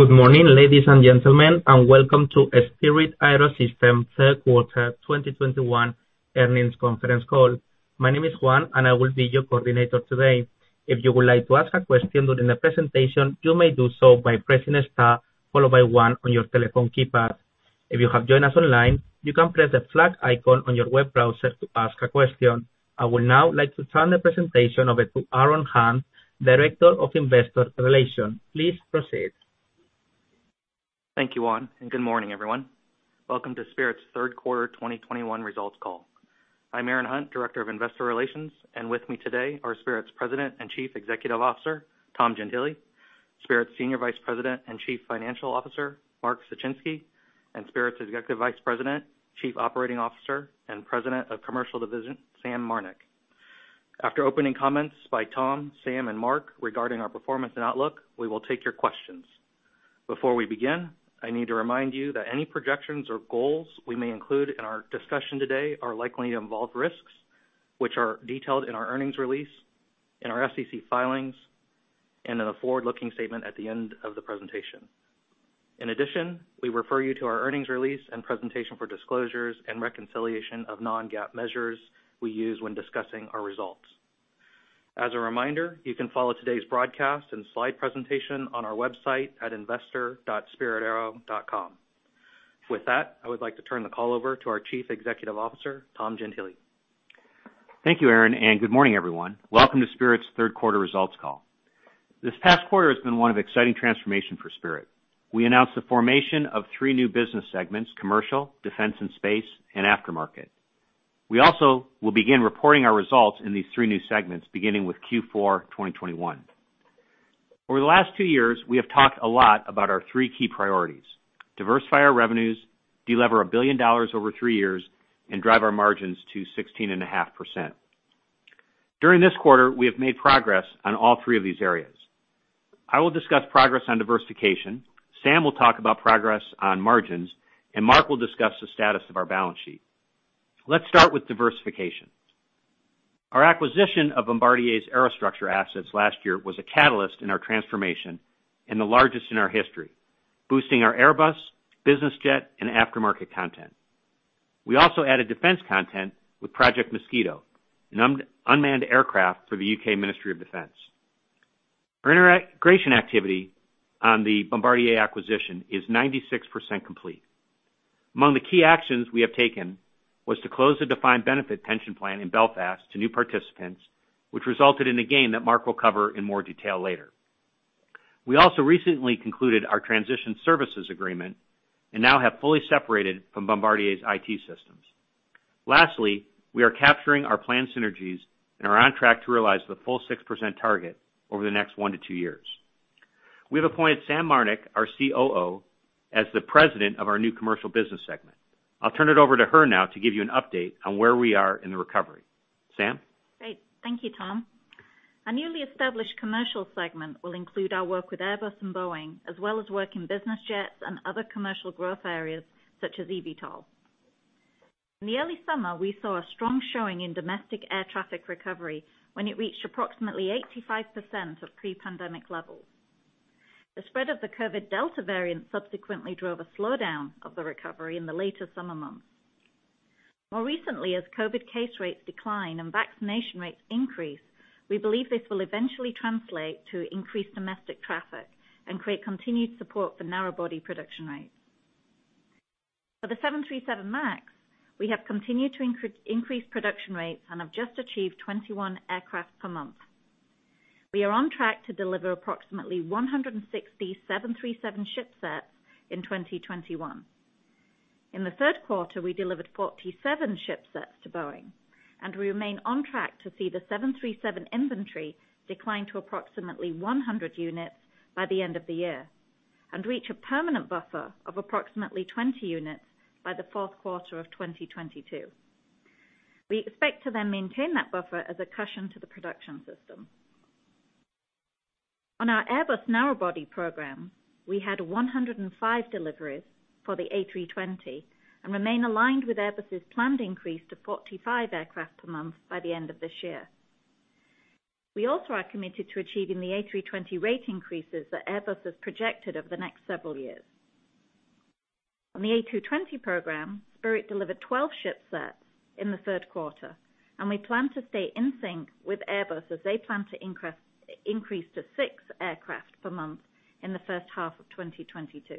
Good morning, ladies and gentlemen, and welcome to Spirit AeroSystems' third quarter 2021 earnings conference call. My name is Juan, and I will be your coordinator today. If you would like to ask a question during the presentation, you may do so by pressing star followed by one on your telephone keypad. If you have joined us online, you can press the flag icon on your web browser to ask a question. I would now like to turn the presentation over to Aaron Hunt, Director of Investor Relations. Please proceed. Thank you, Juan, and good morning, everyone. Welcome to Spirit's third quarter 2021 results call. I'm Aaron Hunt, Director of Investor Relations, and with me today are Spirit's President and Chief Executive Officer, Tom Gentile, Spirit's Senior Vice President and Chief Financial Officer, Mark Suchinski, and Spirit's Executive Vice President, Chief Operating Officer, and President of Commercial Division, Sam Marnick. After opening comments by Tom, Sam, and Mark regarding our performance and outlook, we will take your questions. Before we begin, I need to remind you that any projections or goals we may include in our discussion today are likely to involve risks, which are detailed in our earnings release, in our SEC filings, and in a forward-looking statement at the end of the presentation. In addition, we refer you to our earnings release and presentation for disclosures and reconciliation of non-GAAP measures we use when discussing our results. As a reminder, you can follow today's broadcast and slide presentation on our website at investor.spiritaero.com. With that, I would like to turn the call over to our Chief Executive Officer, Tom Gentile. Thank you, Aaron, and good morning, everyone. Welcome to Spirit's third quarter results call. This past quarter has been one of exciting transformation for Spirit. We announced the formation of 3 new business segments: commercial, defense and space, and aftermarket. We also will begin reporting our results in these 3 new segments, beginning with Q4 2021. Over the last 2 years, we have talked a lot about our 3 key priorities: diversify our revenues, delever $1 billion over 3 years, and drive our margins to 16.5%. During this quarter, we have made progress on all 3 of these areas. I will discuss progress on diversification, Sam will talk about progress on margins, and Mark will discuss the status of our balance sheet. Let's start with diversification. Our acquisition of Bombardier's aerostructure assets last year was a catalyst in our transformation and the largest in our history, boosting our Airbus, business jet, and aftermarket content. We also added defense content with Project Mosquito, an unmanned aircraft for the UK Ministry of Defence. Our integration activity on the Bombardier acquisition is 96% complete. Among the key actions we have taken was to close the defined benefit pension plan in Belfast to new participants, which resulted in a gain that Mark will cover in more detail later. We also recently concluded our transition services agreement and now have fully separated from Bombardier's IT systems. Lastly, we are capturing our planned synergies and are on track to realize the full 6% target over the next 1-2 years. We have appointed Sam Marnick, our COO, as the president of our new commercial business segment. I'll turn it over to her now to give you an update on where we are in the recovery. Sam? Great. Thank you, Tom. Our newly established commercial segment will include our work with Airbus and Boeing, as well as work in business jets and other commercial growth areas, such as eVTOL. In the early summer, we saw a strong showing in domestic air traffic recovery when it reached approximately 85% of pre-pandemic levels. The spread of the COVID Delta variant subsequently drove a slowdown of the recovery in the later summer months. More recently, as COVID case rates decline and vaccination rates increase, we believe this will eventually translate to increased domestic traffic and create continued support for narrow body production rates. For the 737 MAX, we have continued to increase production rates and have just achieved 21 aircraft per month. We are on track to deliver approximately 167 737 shipsets in 2021. In the third quarter, we delivered 47 shipsets to Boeing, and we remain on track to see the 737 inventory decline to approximately 100 units by the end of the year, and reach a permanent buffer of approximately 20 units by the fourth quarter of 2022. We expect to then maintain that buffer as a cushion to the production system. On our Airbus narrow body program, we had 105 deliveries for the A320 and remain aligned with Airbus's planned increase to 45 aircraft per month by the end of this year. We also are committed to achieving the A320 rate increases that Airbus has projected over the next several years. On the A220 program, Spirit delivered 12 ship sets in the third quarter, and we plan to stay in sync with Airbus as they plan to increase to 6 aircraft per month in the first half of 2022.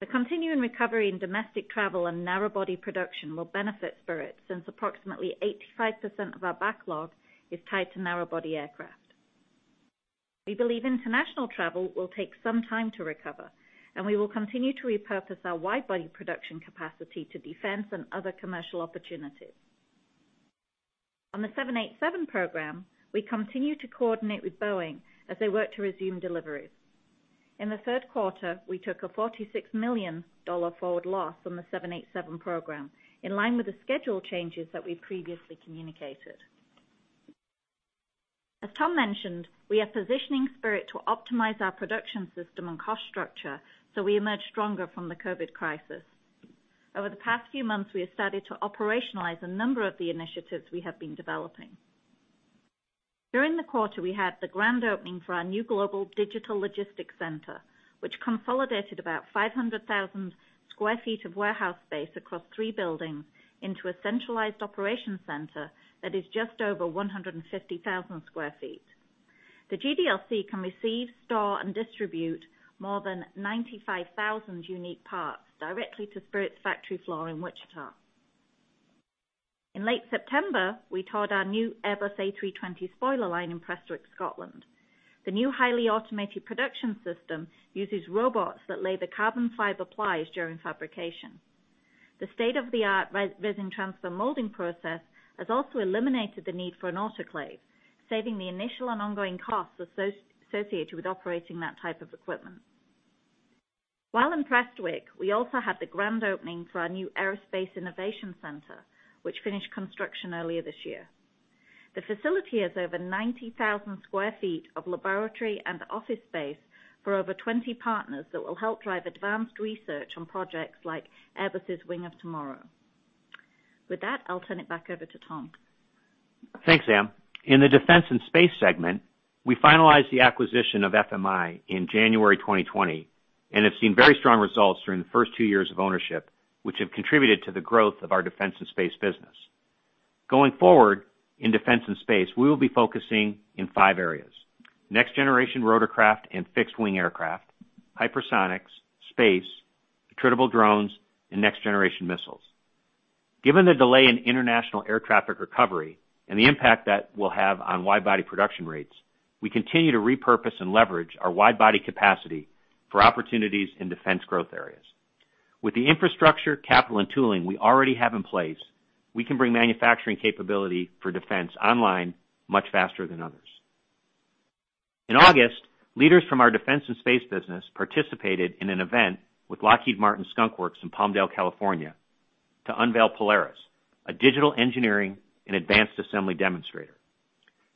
The continuing recovery in domestic travel and narrow body production will benefit Spirit, since approximately 85% of our backlog is tied to narrow body aircraft. We believe international travel will take some time to recover, and we will continue to repurpose our wide body production capacity to defense and other commercial opportunities. On the 787 program, we continue to coordinate with Boeing as they work to resume deliveries. In the third quarter, we took a $46 million forward loss on the 787 program, in line with the schedule changes that we previously communicated. As Tom mentioned, we are positioning Spirit to optimize our production system and cost structure so we emerge stronger from the COVID crisis. Over the past few months, we have started to operationalize a number of the initiatives we have been developing. During the quarter, we had the grand opening for our new Global Digital Logistics Center, which consolidated about 500,000 sq ft of warehouse space across three buildings into a centralized operation center that is just over 150,000 sq ft. The GDLC can receive, store, and distribute more than 95,000 unique parts directly to Spirit's factory floor in Wichita. In late September, we toured our new Airbus A320 spoiler line in Prestwick, Scotland. The new highly automated production system uses robots that lay the carbon fiber plies during fabrication. The state-of-the-art resin transfer molding process has also eliminated the need for an autoclave, saving the initial and ongoing costs associated with operating that type of equipment. While in Prestwick, we also had the grand opening for our new Aerospace Innovation Center, which finished construction earlier this year. The facility has over 90,000 sq ft of laboratory and office space for over 20 partners that will help drive advanced research on projects like Airbus' Wing of Tomorrow. With that, I'll turn it back over to Tom. Thanks, Sam. In the Defense and Space segment, we finalized the acquisition of FMI in January 2020, and have seen very strong results during the first two years of ownership, which have contributed to the growth of our defense and space business. Going forward in Defense and Space, we will be focusing in five areas: next-generation rotorcraft and fixed-wing aircraft, hypersonics, space, attritable drones, and next-generation missiles. Given the delay in international air traffic recovery and the impact that will have on wide-body production rates, we continue to repurpose and leverage our wide-body capacity for opportunities in defense growth areas. With the infrastructure, capital, and tooling we already have in place, we can bring manufacturing capability for defense online much faster than others. In August, leaders from our Defense and Space business participated in an event with Lockheed Martin Skunk Works in Palmdale, California, to unveil Polaris, a digital engineering and advanced assembly demonstrator.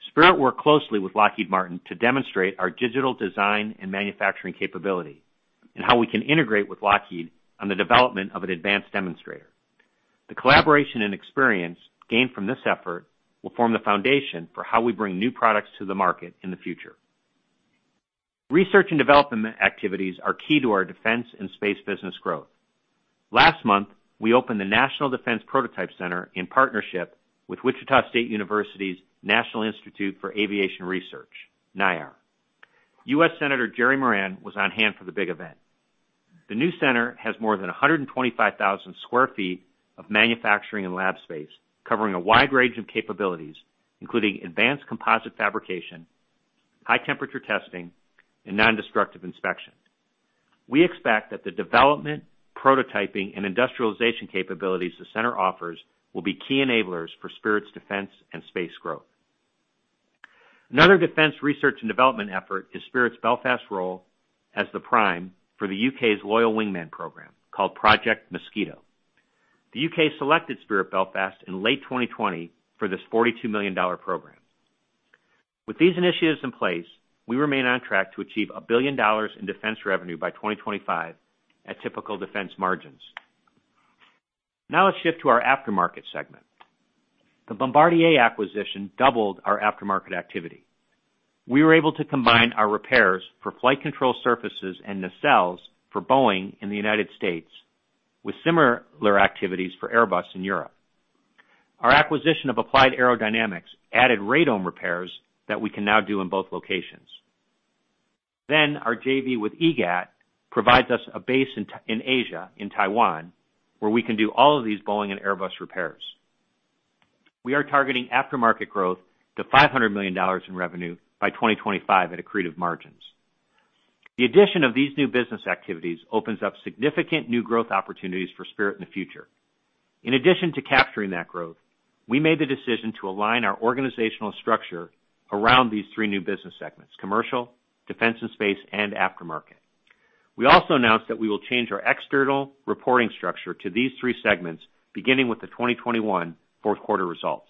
Spirit worked closely with Lockheed Martin to demonstrate our digital design and manufacturing capability and how we can integrate with Lockheed on the development of an advanced demonstrator. The collaboration and experience gained from this effort will form the foundation for how we bring new products to the market in the future. Research and development activities are key to our Defense and Space business growth. Last month, we opened the National Defense Prototype Center in partnership with Wichita State University's National Institute for Aviation Research, NIAR. U.S. Senator Jerry Moran was on hand for the big event. The new center has more than 125,000 sq ft of manufacturing and lab space, covering a wide range of capabilities, including advanced composite fabrication, high-temperature testing, and nondestructive inspection. We expect that the development, prototyping, and industrialization capabilities the center offers will be key enablers for Spirit's Defense and Space growth. Another defense research and development effort is Spirit's Belfast role as the prime for the UK's Loyal Wingman program, called Project Mosquito. The UK selected Spirit Belfast in late 2020 for this $42 million program. With these initiatives in place, we remain on track to achieve $1 billion in defense revenue by 2025 at typical defense margins. Now, let's shift to our aftermarket segment. The Bombardier acquisition doubled our aftermarket activity. We were able to combine our repairs for flight control surfaces and nacelles for Boeing in the United States, with similar activities for Airbus in Europe. Our acquisition of Applied Aerodynamics added radome repairs that we can now do in both locations. Then, our JV with EGAT provides us a base in Asia, in Taiwan, where we can do all of these Boeing and Airbus repairs. We are targeting aftermarket growth to $500 million in revenue by 2025 at accretive margins. The addition of these new business activities opens up significant new growth opportunities for Spirit in the future. In addition to capturing that growth, we made the decision to align our organizational structure around these three new business segments, commercial, defense and space, and aftermarket. We also announced that we will change our external reporting structure to these three segments, beginning with the 2021 fourth quarter results.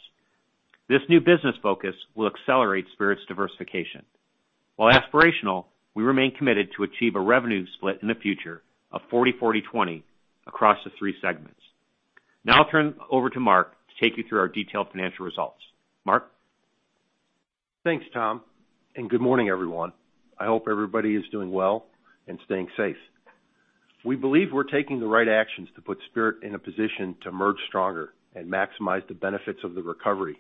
This new business focus will accelerate Spirit's diversification. While aspirational, we remain committed to achieve a revenue split in the future of 40, 40, 20 across the three segments. Now I'll turn over to Mark to take you through our detailed financial results. Mark? Thanks, Tom, and good morning, everyone. I hope everybody is doing well and staying safe. We believe we're taking the right actions to put Spirit in a position to emerge stronger and maximize the benefits of the recovery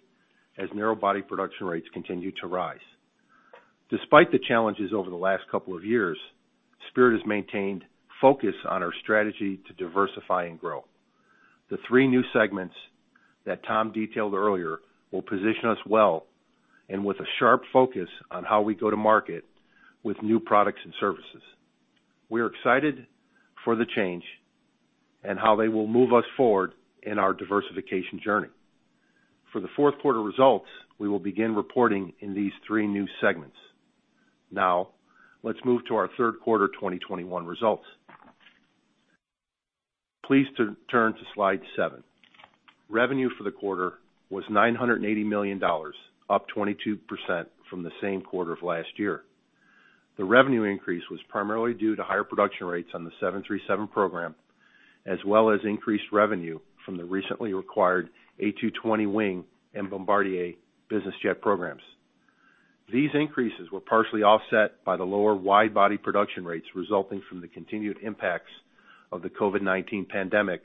as narrow-body production rates continue to rise. Despite the challenges over the last couple of years, Spirit has maintained focus on our strategy to diversify and grow. The three new segments that Tom detailed earlier will position us well and with a sharp focus on how we go to market with new products and services. We are excited for the change and how they will move us forward in our diversification journey. For the fourth quarter results, we will begin reporting in these three new segments. Now, let's move to our third quarter 2021 results. Please turn to slide seven. Revenue for the quarter was $980 million, up 22% from the same quarter of last year. The revenue increase was primarily due to higher production rates on the 737 program, as well as increased revenue from the recently acquired A220 wing and Bombardier Business Jet programs. These increases were partially offset by the lower wide-body production rates resulting from the continued impacts of the COVID-19 pandemic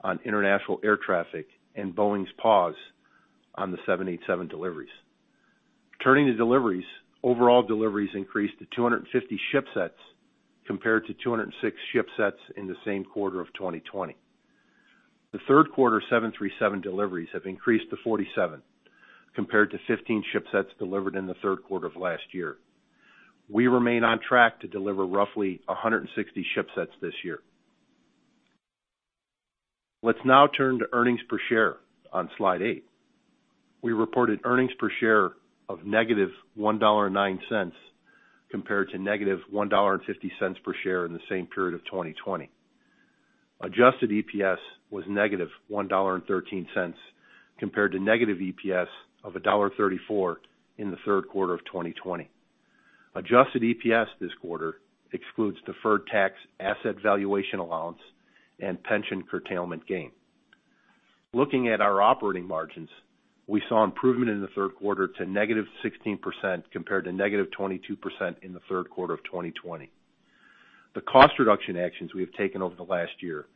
on international air traffic and Boeing's pause on the 787 deliveries. Turning to deliveries, overall deliveries increased to 250 shipsets, compared to 206 shipsets in the same quarter of 2020. The third quarter 737 deliveries have increased to 47, compared to 15 shipsets delivered in the third quarter of last year. We remain on track to deliver roughly 160 shipsets this year. Let's now turn to earnings per share on Slide 8. We reported earnings per share of negative $1.09, compared to negative $1.50 per share in the same period of 2020. Adjusted EPS was negative $1.13, compared to negative EPS of $1.34 in the third quarter of 2020. Adjusted EPS this quarter excludes deferred tax, asset valuation allowance, and pension curtailment gain. Looking at our operating margins, we saw improvement in the third quarter to negative 16%, compared to negative 22% in the third quarter of 2020. The cost reduction actions we have taken over the last year,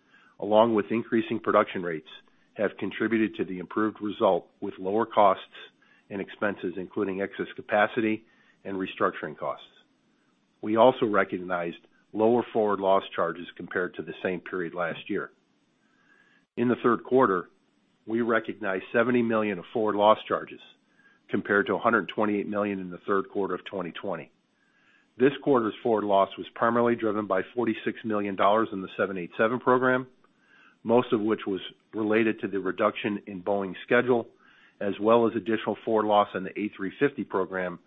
along with increasing production rates, have contributed to the improved result with lower costs and expenses, including excess capacity and restructuring costs. We also recognized lower forward loss charges compared to the same period last year. In the third quarter, we recognized $70 million of forward loss charges, compared to $128 million in the third quarter of 2020. This quarter's forward loss was primarily driven by $46 million in the 787 program, most of which was related to the reduction in Boeing's schedule, as well as additional forward loss on the A350 program,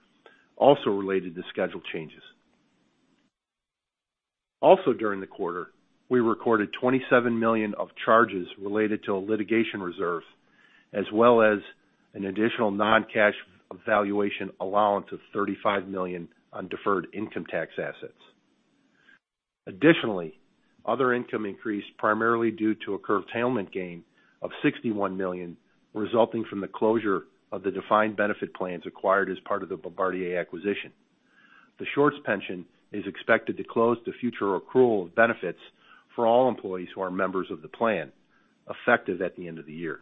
also related to schedule changes. Also, during the quarter, we recorded $27 million of charges related to a litigation reserve, as well as an additional non-cash valuation allowance of $35 million on deferred income tax assets. Additionally, other income increased, primarily due to a curtailment gain of $61 million, resulting from the closure of the defined benefit plans acquired as part of the Bombardier acquisition. The Shorts pension is expected to close the future accrual of benefits for all employees who are members of the plan, effective at the end of the year.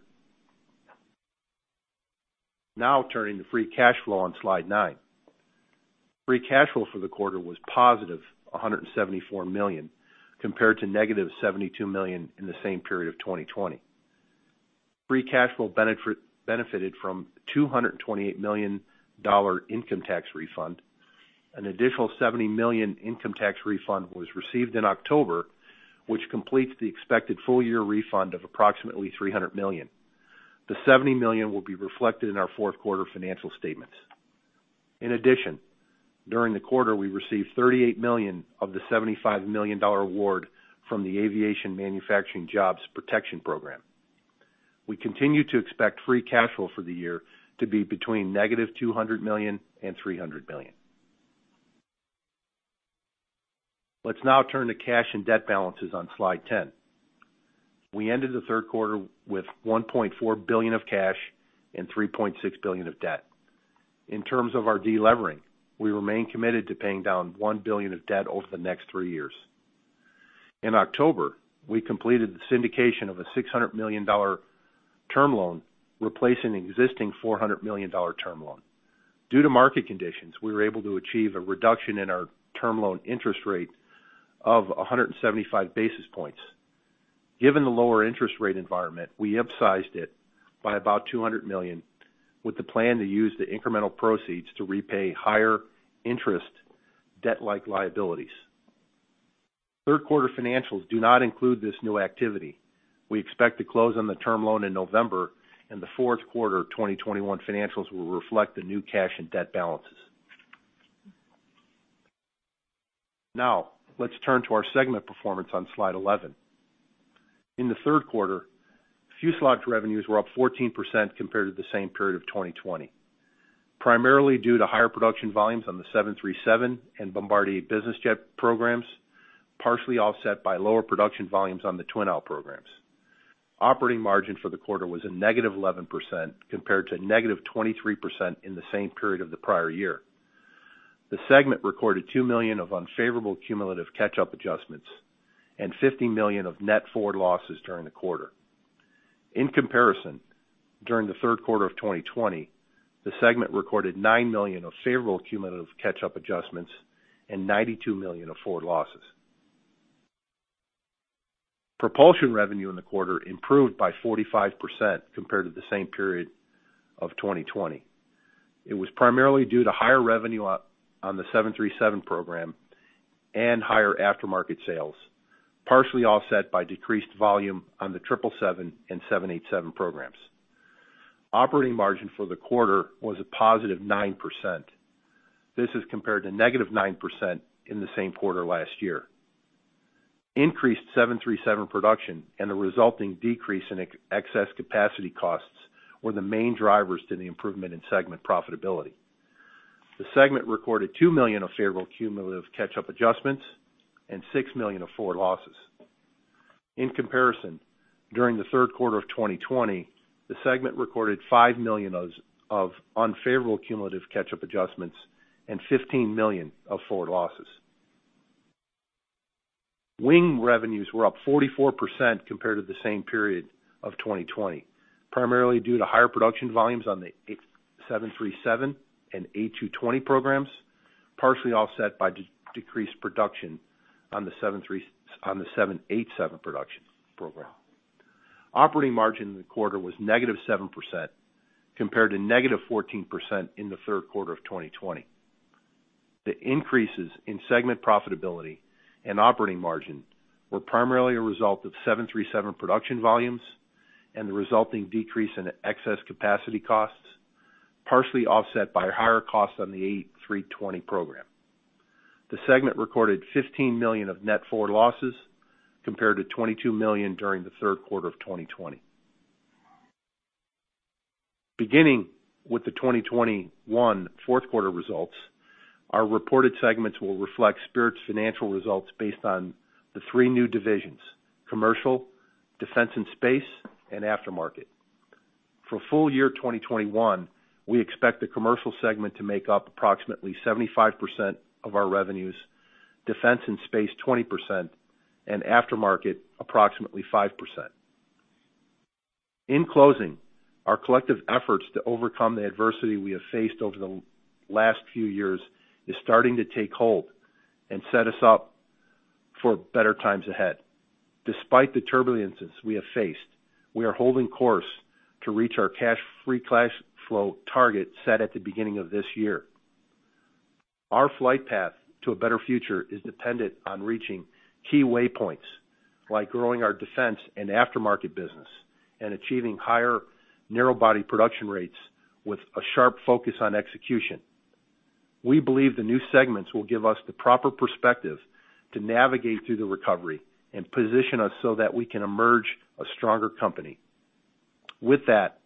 Now turning to free cash flow on Slide 9. Free cash flow for the quarter was positive $174 million, compared to negative $72 million in the same period of 2020. Free cash flow benefited from $228 million income tax refund. An additional $70 million income tax refund was received in October, which completes the expected full-year refund of approximately $300 million. The $70 million will be reflected in our fourth quarter financial statements. In addition, during the quarter, we received $38 million of the $75 million award from the Aviation Manufacturing Jobs Protection Program. We continue to expect free cash flow for the year to be between -$200 million and $300 million. Let's now turn to cash and debt balances on Slide 10. We ended the third quarter with $1.4 billion of cash and $3.6 billion of debt. In terms of our delevering, we remain committed to paying down $1 billion of debt over the next three years. In October, we completed the syndication of a $600 million term loan, replacing an existing $400 million term loan. Due to market conditions, we were able to achieve a reduction in our term loan interest rate of 175 basis points. Given the lower interest rate environment, we upsized it by about $200 million, with the plan to use the incremental proceeds to repay higher interest debt-like liabilities. Third quarter financials do not include this new activity. We expect to close on the term loan in November, and the fourth quarter 2021 financials will reflect the new cash and debt balances. Now, let's turn to our segment performance on Slide 11. In the third quarter, Fuselage revenues were up 14% compared to the same period of 2020, primarily due to higher production volumes on the 737 and Bombardier Business Jet programs, partially offset by lower production volumes on the twin-aisle programs. Operating margin for the quarter was a negative 11%, compared to negative 23% in the same period of the prior year. The segment recorded $2 million of unfavorable cumulative catch-up adjustments and $50 million of net forward losses during the quarter. In comparison, during the third quarter of 2020, the segment recorded $9 million of favorable cumulative catch-up adjustments and $92 million of forward losses. Propulsion revenue in the quarter improved by 45% compared to the same period of 2020. It was primarily due to higher revenue on the 737 program and higher aftermarket sales, partially offset by decreased volume on the 777 and 787 programs. Operating margin for the quarter was a positive 9%. This is compared to negative 9% in the same quarter last year. Increased 737 production and the resulting decrease in excess capacity costs were the main drivers to the improvement in segment profitability. The segment recorded $2 million of favorable cumulative catch-up adjustments and $6 million of forward losses. In comparison, during the third quarter of 2020, the segment recorded $5 million of unfavorable cumulative catch-up adjustments and $15 million of forward losses. Wing revenues were up 44% compared to the same period of 2020, primarily due to higher production volumes on the 787, 737 and A220 programs, partially offset by decreased production on the 737 on the 787 production program. Operating margin in the quarter was -7% compared to -14% in the third quarter of 2020. The increases in segment profitability and operating margin were primarily a result of 737 production volumes and the resulting decrease in excess capacity costs, partially offset by higher costs on the A320 program. The segment recorded $15 million of net forward losses, compared to $22 million during the third quarter of 2020. Beginning with the 2021 fourth quarter results, our reported segments will reflect Spirit's financial results based on the three new divisions: commercial, defense and space, and aftermarket. For full year 2021, we expect the commercial segment to make up approximately 75% of our revenues, defense and space, 20%, and aftermarket, approximately 5%. In closing, our collective efforts to overcome the adversity we have faced over the last few years is starting to take hold and set us up for better times ahead. Despite the turbulences we have faced, we are holding course to reach our cash, free cash flow target set at the beginning of this year. Our flight path to a better future is dependent on reaching key waypoints, like growing our defense and aftermarket business and achieving higher narrow body production rates with a sharp focus on execution. We believe the new segments will give us the proper perspective to navigate through the recovery and position us so that we can emerge a stronger company. With that,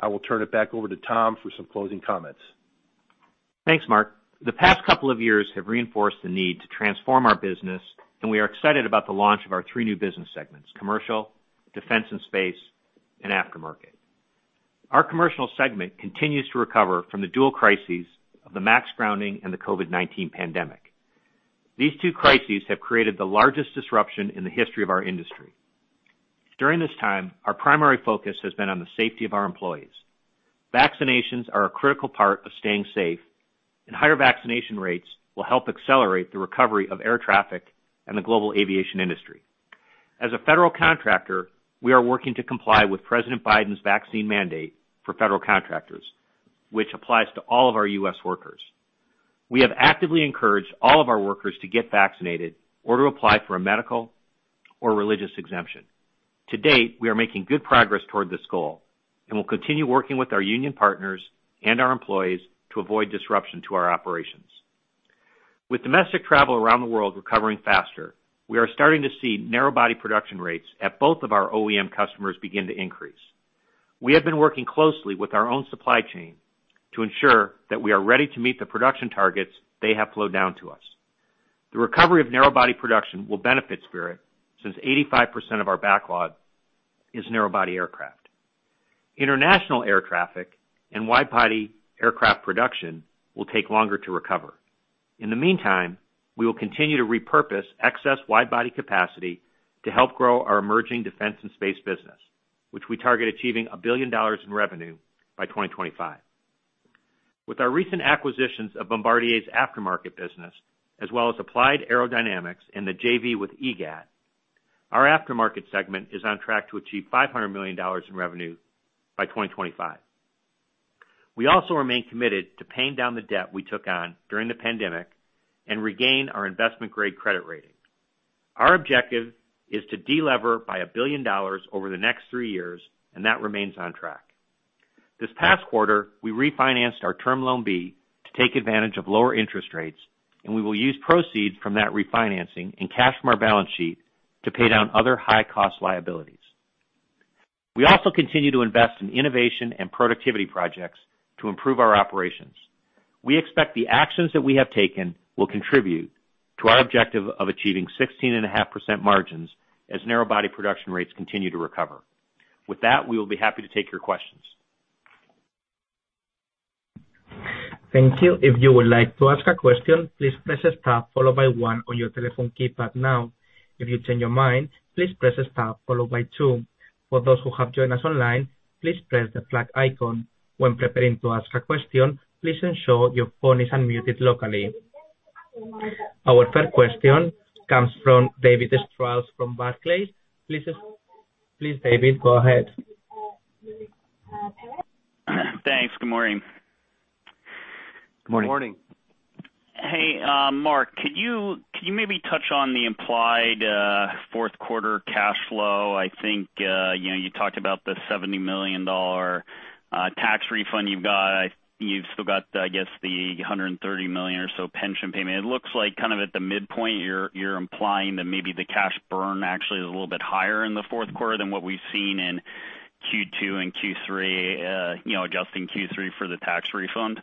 I will turn it back over to Tom for some closing comments. Thanks, Mark. The past couple of years have reinforced the need to transform our business, and we are excited about the launch of our three new business segments: commercial, defense and space, and aftermarket. Our commercial segment continues to recover from the dual crises of the MAX grounding and the COVID-19 pandemic. These two crises have created the largest disruption in the history of our industry. During this time, our primary focus has been on the safety of our employees. Vaccinations are a critical part of staying safe, and higher vaccination rates will help accelerate the recovery of air traffic and the global aviation industry. As a federal contractor, we are working to comply with President Biden's vaccine mandate for federal contractors, which applies to all of our U.S. workers. We have actively encouraged all of our workers to get vaccinated or to apply for a medical or religious exemption. To date, we are making good progress toward this goal, and we'll continue working with our union partners and our employees to avoid disruption to our operations. With domestic travel around the world recovering faster, we are starting to see narrow body production rates at both of our OEM customers begin to increase. We have been working closely with our own supply chain to ensure that we are ready to meet the production targets they have flowed down to us. The recovery of narrow body production will benefit Spirit, since 85% of our backlog is narrow body aircraft. International air traffic and wide body aircraft production will take longer to recover. In the meantime, we will continue to repurpose excess wide body capacity to help grow our emerging defense and space business, which we target achieving $1 billion in revenue by 2025. With our recent acquisitions of Bombardier's aftermarket business, as well as Applied Aerodynamics and the JV with EGAT, our aftermarket segment is on track to achieve $500 million in revenue by 2025. We also remain committed to paying down the debt we took on during the pandemic and regain our investment grade credit rating. Our objective is to delever by $1 billion over the next three years, and that remains on track. This past quarter, we refinanced our Term Loan B to take advantage of lower interest rates, and we will use proceeds from that refinancing and cash from our balance sheet to pay down other high-cost liabilities. We also continue to invest in innovation and productivity projects to improve our operations. We expect the actions that we have taken will contribute to our objective of achieving 16.5% margins as narrow body production rates continue to recover. With that, we will be happy to take your questions. Thank you. If you would like to ask a question, please press star followed by one on your telephone keypad now. If you change your mind, please press star followed by two. For those who have joined us online, please press the flag icon. When preparing to ask a question, please ensure your phone is unmuted locally. Our first question comes from David Strauss from Barclays. Please, please, David, go ahead. Thanks. Good morning. Good morning. Good morning. Hey, Mark, could you maybe touch on the implied fourth quarter cash flow? I think, you know, you talked about the $70 million tax refund you've got. You've still got, I guess, the $130 million or so pension payment. It looks like kind of at the midpoint, you're implying that maybe the cash burn actually is a little bit higher in the fourth quarter than what we've seen in... Q2 and Q3, you know, adjusting Q3 for the tax refund?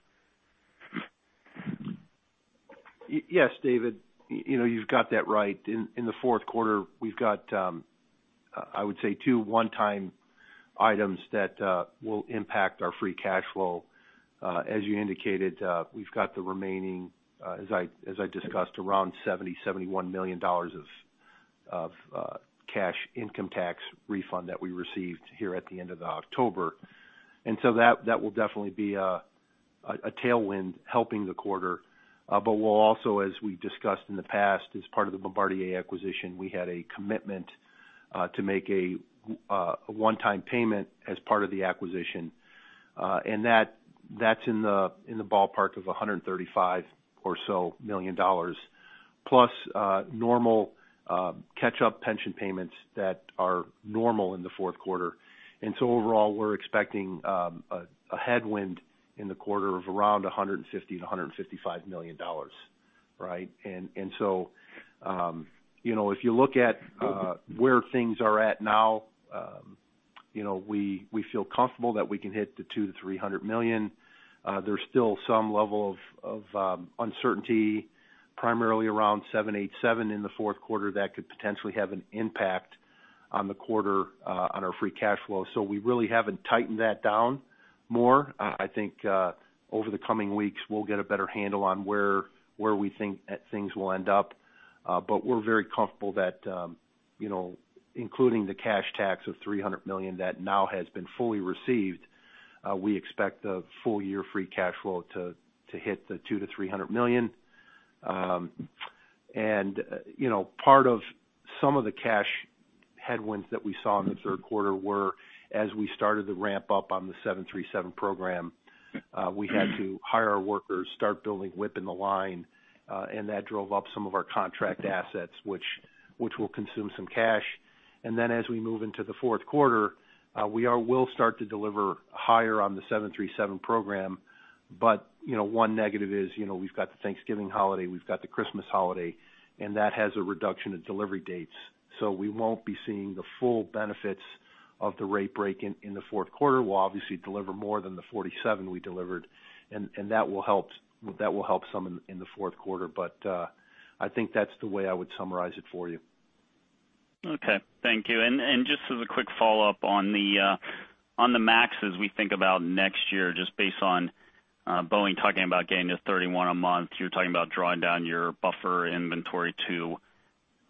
Yes, David, you know, you've got that right. In the fourth quarter, we've got two one-time items that will impact our free cash flow. As you indicated, we've got the remaining, as I discussed, around $71 million of cash income tax refund that we received here at the end of October. So that will definitely be a tailwind helping the quarter. But we'll also, as we've discussed in the past, as part of the Bombardier acquisition, we had a commitment to make a one-time payment as part of the acquisition. And that, that's in the ballpark of $135 million or so, plus normal catch-up pension payments that are normal in the fourth quarter. And so overall, we're expecting a headwind in the quarter of around $150-$155 million, right? And so, you know, if you look at where things are at now, you know, we feel comfortable that we can hit the $200-$300 million. There's still some level of uncertainty, primarily around 787 in the fourth quarter, that could potentially have an impact on the quarter on our free cash flow. So we really haven't tightened that down more. I think over the coming weeks, we'll get a better handle on where we think that things will end up. But we're very comfortable that, you know, including the cash tax of $300 million, that now has been fully received, we expect the full year free cash flow to hit the $200 million-$300 million. And, you know, part of some of the cash headwinds that we saw in the third quarter were, as we started the ramp up on the 737 program, we had to hire our workers, start building WIP in the line, and that drove up some of our contract assets, which, which will consume some cash. And then as we move into the fourth quarter, we are -- we'll start to deliver higher on the 737 program. But, you know, one negative is, you know, we've got the Thanksgiving holiday, we've got the Christmas holiday, and that has a reduction in delivery dates. So we won't be seeing the full benefits of the rate break in, in the fourth quarter. We'll obviously deliver more than the 47 we delivered, and, and that will help, that will help some in, in the fourth quarter. But, I think that's the way I would summarize it for you. Okay. Thank you. And just as a quick follow-up on the MAX, as we think about next year, just based on Boeing talking about getting to 31 a month, you're talking about drawing down your buffer inventory to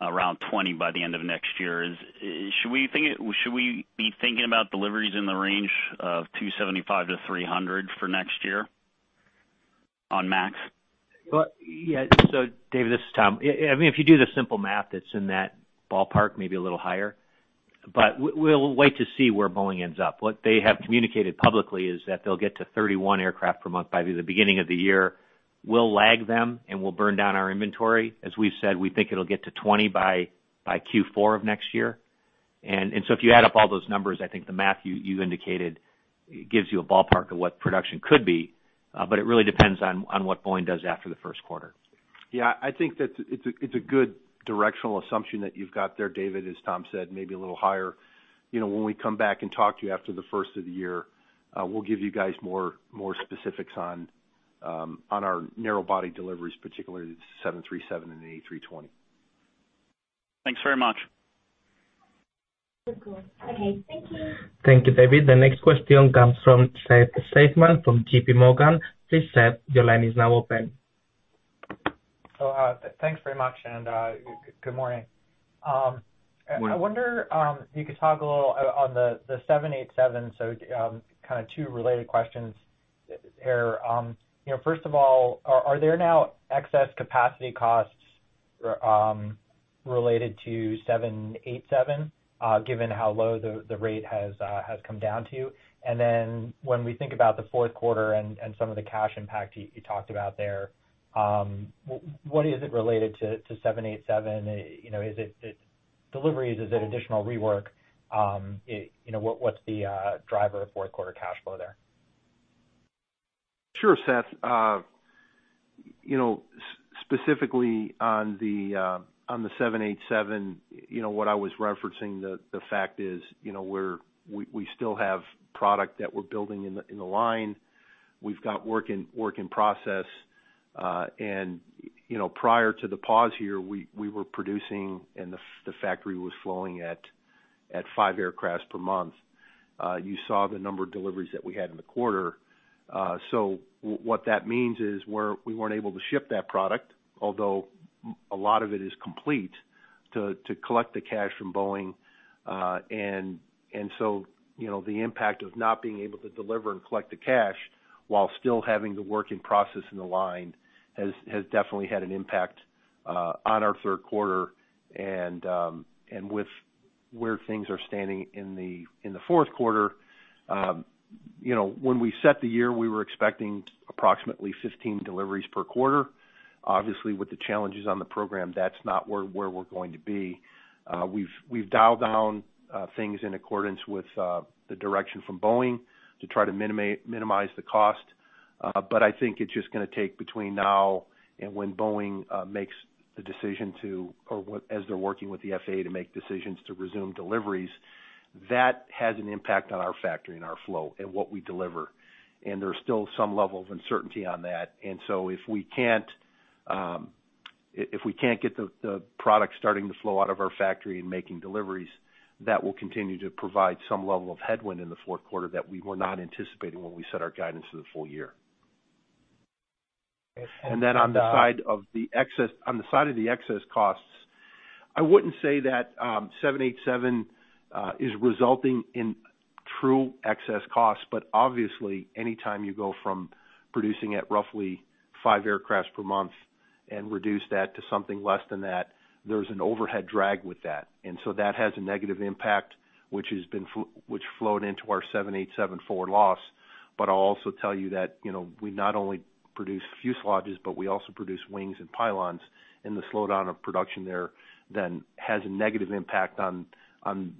around 20 by the end of next year. Should we be thinking about deliveries in the range of 275-300 for next year on MAX? Well, yeah. So David, this is Tom. I mean, if you do the simple math, that's in that ballpark, maybe a little higher, but we'll wait to see where Boeing ends up. What they have communicated publicly is that they'll get to 31 aircraft per month by the beginning of the year. We'll lag them, and we'll burn down our inventory. As we've said, we think it'll get to 20 by Q4 of next year. And so if you add up all those numbers, I think the math you indicated gives you a ballpark of what production could be, but it really depends on what Boeing does after the first quarter. Yeah, I think that it's a, it's a good directional assumption that you've got there, David. As Tom said, maybe a little higher. You know, when we come back and talk to you after the first of the year, we'll give you guys more, more specifics on, on our narrow body deliveries, particularly the 737 and the A320. Thanks very much. Okay, thank you. Thank you, David. The next question comes from Seth Seifman from J.P. Morgan. Please, Seth, your line is now open. So, thanks very much, and, good morning. I wonder, you could talk a little on the, the 787, so, kind of two related questions there. You know, first of all, are, are there now excess capacity costs, related to 787, given how low the, the rate has, has come down to? And then when we think about the fourth quarter and, and some of the cash impact you, you talked about there, what is it related to, to 787? You know, is it, it deliveries, is it additional rework? You know, what, what's the, driver of fourth quarter cash flow there? Sure, Seth. You know, specifically on the 787, you know, what I was referencing, the fact is, you know, we still have product that we're building in the line. We've got work in process. And, you know, prior to the pause here, we were producing and the factory was flowing at 5 aircraft per month. You saw the number of deliveries that we had in the quarter. So what that means is, we weren't able to ship that product, although a lot of it is complete, to collect the cash from Boeing. And so, you know, the impact of not being able to deliver and collect the cash while still having the work in process in the line, has definitely had an impact on our third quarter. And with where things are standing in the fourth quarter, you know, when we set the year, we were expecting approximately 15 deliveries per quarter. Obviously, with the challenges on the program, that's not where we're going to be. We've dialed down things in accordance with the direction from Boeing to try to minimize the cost. But I think it's just gonna take between now and when Boeing makes the decision to as they're working with the FAA to make decisions to resume deliveries, that has an impact on our factory and our flow and what we deliver, and there's still some level of uncertainty on that. And so if we can't get the product starting to flow out of our factory and making deliveries, that will continue to provide some level of headwind in the fourth quarter that we were not anticipating when we set our guidance for the full year. On the side of the excess costs, I wouldn't say that 787 is resulting in true excess costs, but obviously, anytime you go from producing at roughly 5 aircraft per month and reduce that to something less than that, there's an overhead drag with that. And so that has a negative impact, which flowed into our 787 forward loss. But I'll also tell you that, you know, we not only produce fuselages, but we also produce wings and pylons, and the slowdown of production there then has a negative impact on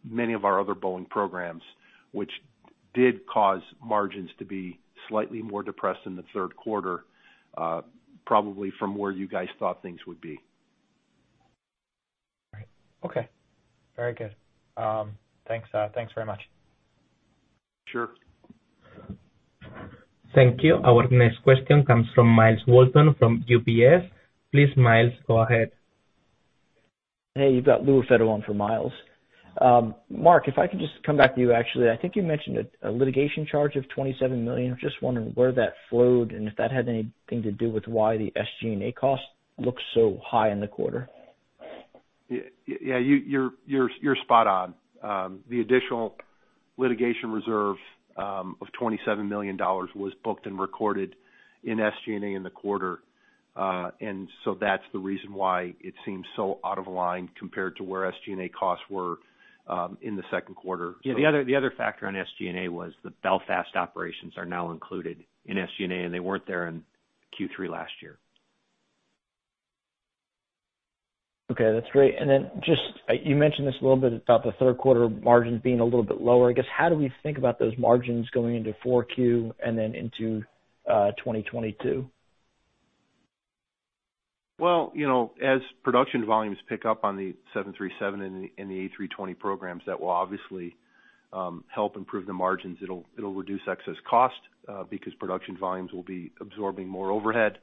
many of our other Boeing programs, which did cause margins to be slightly more depressed in the third quarter, probably from where you guys thought things would be. All right. Okay, very good. Thanks, thanks very much. Sure. Thank you. Our next question comes from Myles Walton from UBS. Please, Myles, go ahead. Hey, you've got Louis Raffetto for Myles. Mark, if I could just come back to you, actually. I think you mentioned a litigation charge of $27 million. Just wondering where that flowed and if that had anything to do with why the SG&A costs look so high in the quarter. Yeah, yeah, you're spot on. The additional litigation reserve of $27 million was booked and recorded in SG&A in the quarter. And so that's the reason why it seems so out of line compared to where SG&A costs were in the second quarter. Yeah, the other factor on SG&A was the Belfast operations are now included in SG&A, and they weren't there in Q3 last year. Okay, that's great. And then just, you mentioned this a little bit about the third quarter margins being a little bit lower. I guess, how do we think about those margins going into 4Q and then into 2022? Well, you know, as production volumes pick up on the 737 and the A320 programs, that will obviously help improve the margins. It'll reduce excess cost because production volumes will be absorbing more overhead.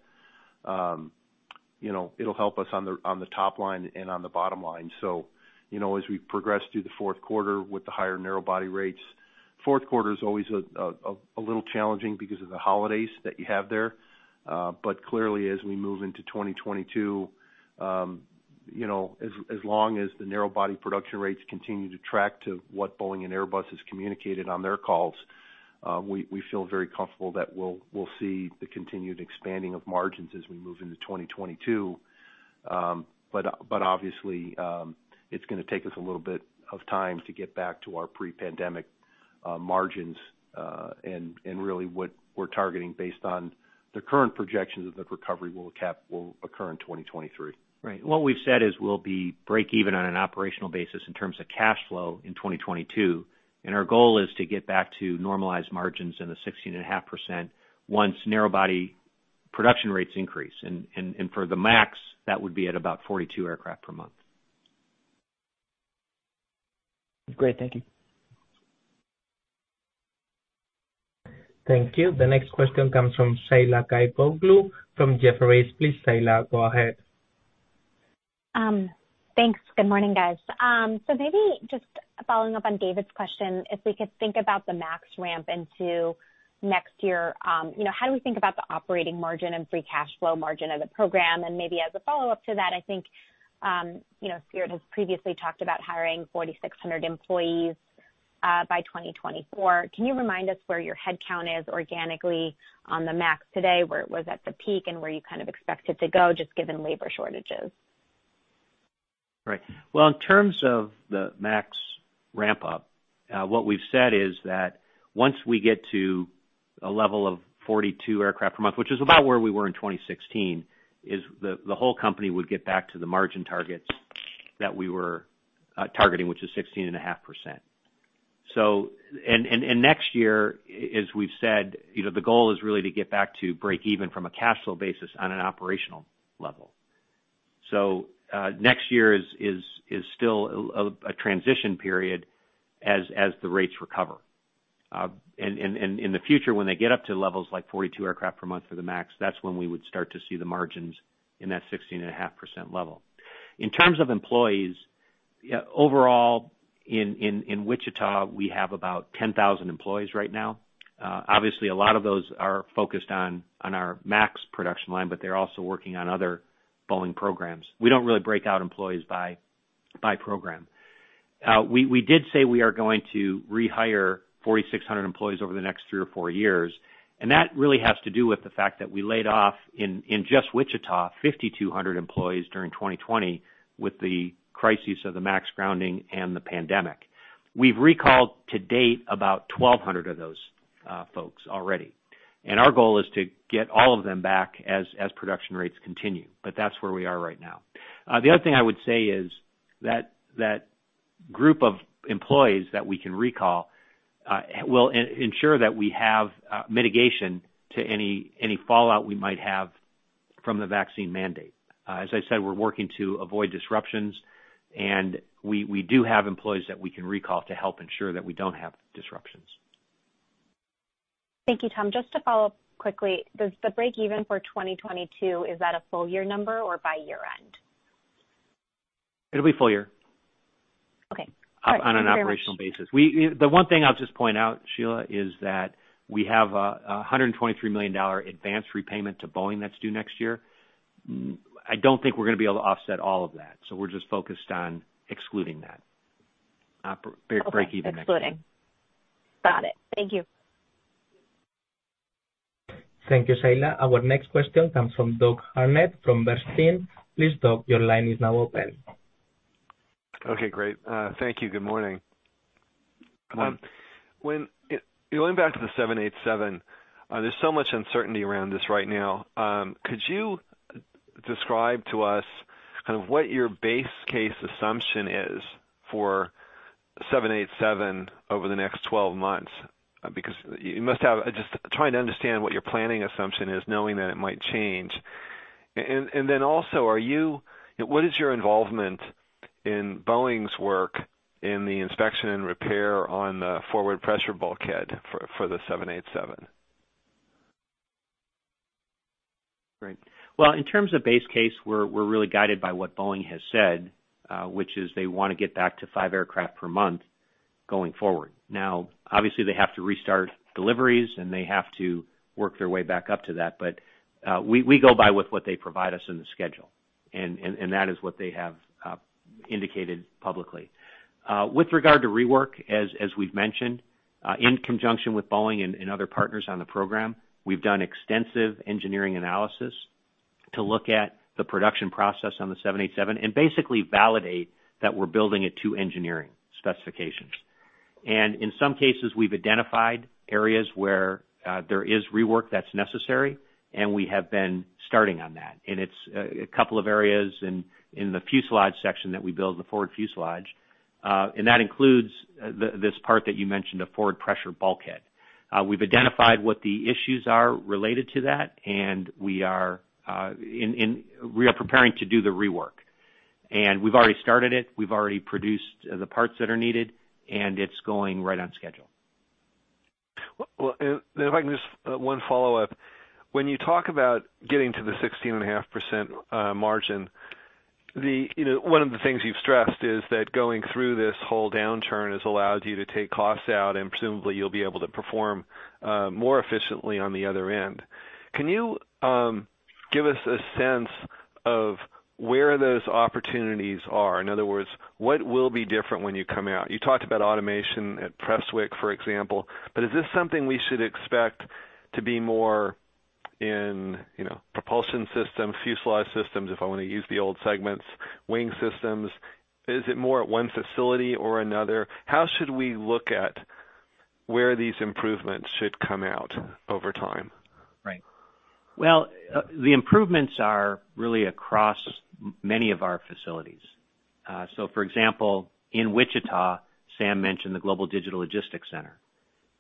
You know, it'll help us on the top line and on the bottom line. So, you know, as we progress through the fourth quarter with the higher narrow body rates, fourth quarter is always a little challenging because of the holidays that you have there. But clearly, as we move into 2022, you know, as long as the narrow body production rates continue to track to what Boeing and Airbus has communicated on their calls, we feel very comfortable that we'll see the continued expanding of margins as we move into 2022. But obviously, it's gonna take us a little bit of time to get back to our pre-pandemic margins, and really what we're targeting based on the current projections of the recovery will occur in 2023. Right. What we've said is we'll be breakeven on an operational basis in terms of cash flow in 2022, and our goal is to get back to normalized margins in the 16.5% once narrow-body production rates increase. And for the MAX, that would be at about 42 aircraft per month. Great. Thank you. Thank you. The next question comes from Sheila Kahyaoglu from Jefferies. Please, Sheila, go ahead. Thanks. Good morning, guys. So maybe just following up on David's question, if we could think about the MAX ramp into next year, you know, how do we think about the operating margin and free cash flow margin of the program? And maybe as a follow-up to that, I think, you know, Spirit has previously talked about hiring 4,600 employees by 2024. Can you remind us where your headcount is organically on the MAX today, where it was at the peak and where you kind of expect it to go, just given labor shortages? Right. Well, in terms of the MAX ramp up, what we've said is that once we get to a level of 42 aircraft per month, which is about where we were in 2016, the whole company would get back to the margin targets that we were targeting, which is 16.5%. So... And next year, as we've said, you know, the goal is really to get back to break even from a cash flow basis on an operational level. So, next year is still a transition period as the rates recover. And in the future, when they get up to levels like 42 aircraft per month for the MAX, that's when we would start to see the margins in that 16.5% level. In terms of employees, yeah, overall, in Wichita, we have about 10,000 employees right now. Obviously, a lot of those are focused on our MAX production line, but they're also working on other Boeing programs. We don't really break out employees by program. We did say we are going to rehire 4,600 employees over the next three or four years, and that really has to do with the fact that we laid off in just Wichita 5,200 employees during 2020 with the crises of the MAX grounding and the pandemic. We've recalled to date about 1,200 of those folks already, and our goal is to get all of them back as production rates continue, but that's where we are right now. The other thing I would say is that-... group of employees that we can recall will ensure that we have mitigation to any fallout we might have from the vaccine mandate. As I said, we're working to avoid disruptions, and we do have employees that we can recall to help ensure that we don't have disruptions. Thank you, Tom. Just to follow up quickly, does the breakeven for 2022, is that a full year number or by year-end? It'll be full year. Okay. On an operational basis. We, the one thing I'll just point out, Sheila, is that we have a $123 million advance repayment to Boeing that's due next year. I don't think we're gonna be able to offset all of that, so we're just focused on excluding that, break even next year. Excluding. Got it. Thank you. Thank you, Sheila. Our next question comes from Doug Harned from Bernstein. Please, Doug, your line is now open. Okay, great. Thank you. Good morning. Good morning. When going back to the 787, there's so much uncertainty around this right now. Could you describe to us kind of what your base case assumption is for 787 over the next 12 months? Because you must have... Just trying to understand what your planning assumption is, knowing that it might change. And then also, are you—what is your involvement in Boeing's work in the inspection and repair on the forward pressure bulkhead for the 787? Great. Well, in terms of base case, we're really guided by what Boeing has said, which is they wanna get back to 5 aircraft per month going forward. Now, obviously, they have to restart deliveries, and they have to work their way back up to that. But, we go by with what they provide us in the schedule, and that is what they have indicated publicly. With regard to rework, as we've mentioned, in conjunction with Boeing and other partners on the program, we've done extensive engineering analysis to look at the production process on the 787, and basically validate that we're building it to engineering specifications. And in some cases, we've identified areas where there is rework that's necessary, and we have been starting on that. And it's a couple of areas in the fuselage section that we build, the forward fuselage, and that includes this part that you mentioned, a forward pressure bulkhead. We've identified what the issues are related to that, and we are preparing to do the rework, and we've already started it. We've already produced the parts that are needed, and it's going right on schedule. Well, well, and if I can just... one follow-up. When you talk about getting to the 16.5% margin, you know, one of the things you've stressed is that going through this whole downturn has allowed you to take costs out, and presumably, you'll be able to perform more efficiently on the other end. Can you give us a sense of where those opportunities are? In other words, what will be different when you come out? You talked about automation at Prestwick, for example, but is this something we should expect to be more in, you know, propulsion systems, fuselage systems, if I want to use the old segments, wing systems? Is it more at one facility or another? How should we look at where these improvements should come out over time? Right. Well, the improvements are really across many of our facilities. So for example, in Wichita, Sam mentioned the Global Digital Logistics Center.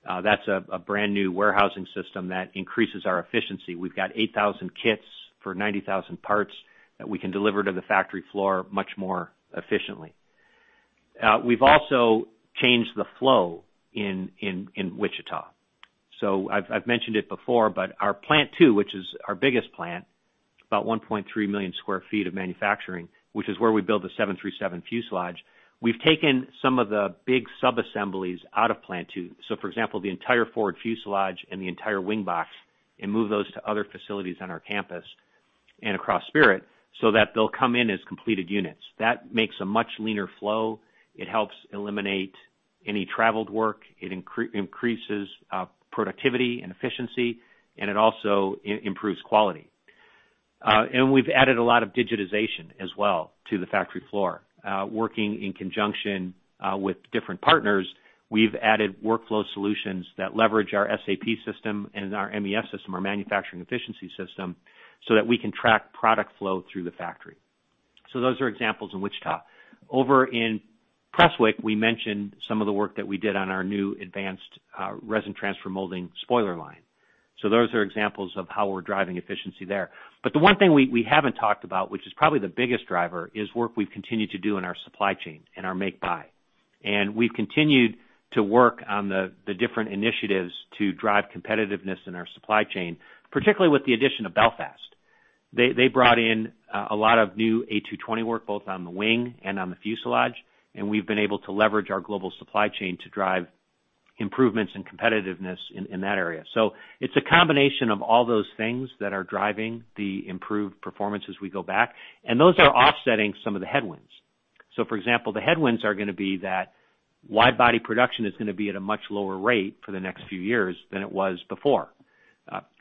That's a brand new warehousing system that increases our efficiency. We've got 8,000 kits for 90,000 parts that we can deliver to the factory floor much more efficiently. We've also changed the flow in Wichita. So I've mentioned it before, but our Plant Two, which is our biggest plant, about 1.3 million sq ft of manufacturing, which is where we build the 737 fuselage. We've taken some of the big sub-assemblies out of Plant Two, so for example, the entire forward fuselage and the entire wing box, and move those to other facilities on our campus and across Spirit so that they'll come in as completed units. That makes a much leaner flow, it helps eliminate any traveled work, it increases productivity and efficiency, and it also improves quality. And we've added a lot of digitization as well to the factory floor. Working in conjunction with different partners, we've added workflow solutions that leverage our SAP system and our MES system, our manufacturing efficiency system, so that we can track product flow through the factory. So those are examples in Wichita. Over in Prestwick, we mentioned some of the work that we did on our new advanced resin transfer molding spoiler line. So those are examples of how we're driving efficiency there. But the one thing we haven't talked about, which is probably the biggest driver, is work we've continued to do in our supply chain, in our make-buy. We've continued to work on the different initiatives to drive competitiveness in our supply chain, particularly with the addition of Belfast. They brought in a lot of new A220 work, both on the wing and on the fuselage, and we've been able to leverage our global supply chain to drive improvements and competitiveness in that area. So it's a combination of all those things that are driving the improved performance as we go back, and those are offsetting some of the headwinds. So for example, the headwinds are gonna be that wide-body production is gonna be at a much lower rate for the next few years than it was before.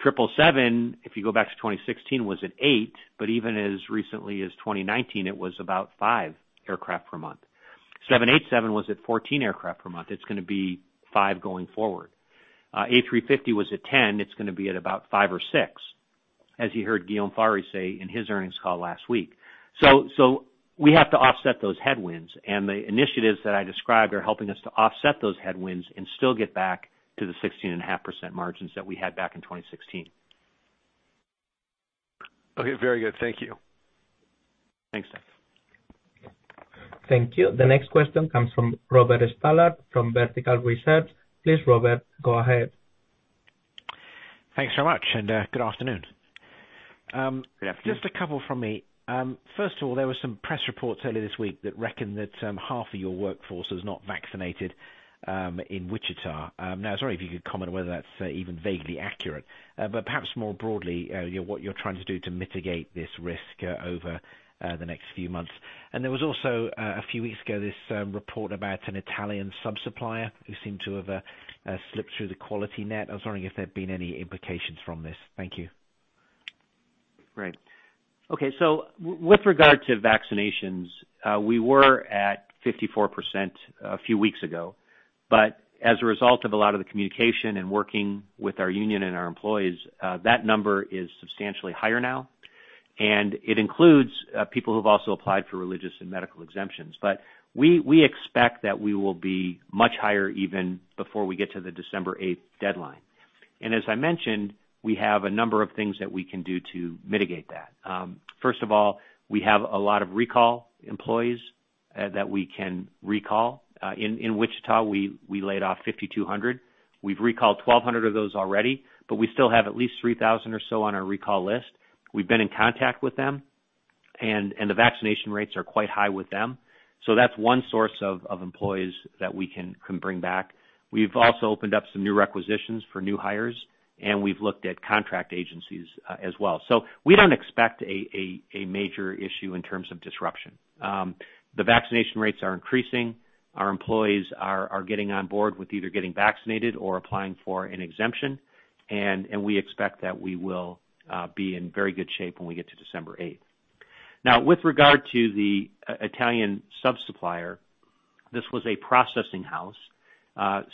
777, if you go back to 2016, was at 8, but even as recently as 2019, it was about 5 aircraft per month. 787 was at 14 aircraft per month. It's gonna be 5 going forward. A350 was at 10, it's gonna be at about 5 or 6... as you heard Guillaume Faury say in his earnings call last week. So, so we have to offset those headwinds, and the initiatives that I described are helping us to offset those headwinds and still get back to the 16.5% margins that we had back in 2016. Okay, very good. Thank you. Thanks, Seth. Thank you. The next question comes from Robert Stallard, from Vertical Research. Please, Robert, go ahead. Thanks so much, and good afternoon. Good afternoon. Just a couple from me. First of all, there were some press reports earlier this week that reckoned that half of your workforce is not vaccinated in Wichita. Now, I was wondering if you could comment on whether that's even vaguely accurate, but perhaps more broadly, you know, what you're trying to do to mitigate this risk over the next few months. And there was also a few weeks ago this report about an Italian sub-supplier who seemed to have slipped through the quality net. I was wondering if there had been any implications from this. Thank you. Right. Okay, so with regard to vaccinations, we were at 54% a few weeks ago, but as a result of a lot of the communication and working with our union and our employees, that number is substantially higher now, and it includes people who've also applied for religious and medical exemptions. But we expect that we will be much higher even before we get to the December eighth deadline. And as I mentioned, we have a number of things that we can do to mitigate that. First of all, we have a lot of recall employees that we can recall. In Wichita, we laid off 5,200. We've recalled 1,200 of those already, but we still have at least 3,000 or so on our recall list. We've been in contact with them, and the vaccination rates are quite high with them. So that's one source of employees that we can bring back. We've also opened up some new requisitions for new hires, and we've looked at contract agencies, as well. So we don't expect a major issue in terms of disruption. The vaccination rates are increasing. Our employees are getting on board with either getting vaccinated or applying for an exemption, and we expect that we will be in very good shape when we get to December eighth. Now, with regard to the Italian sub-supplier, this was a processing house.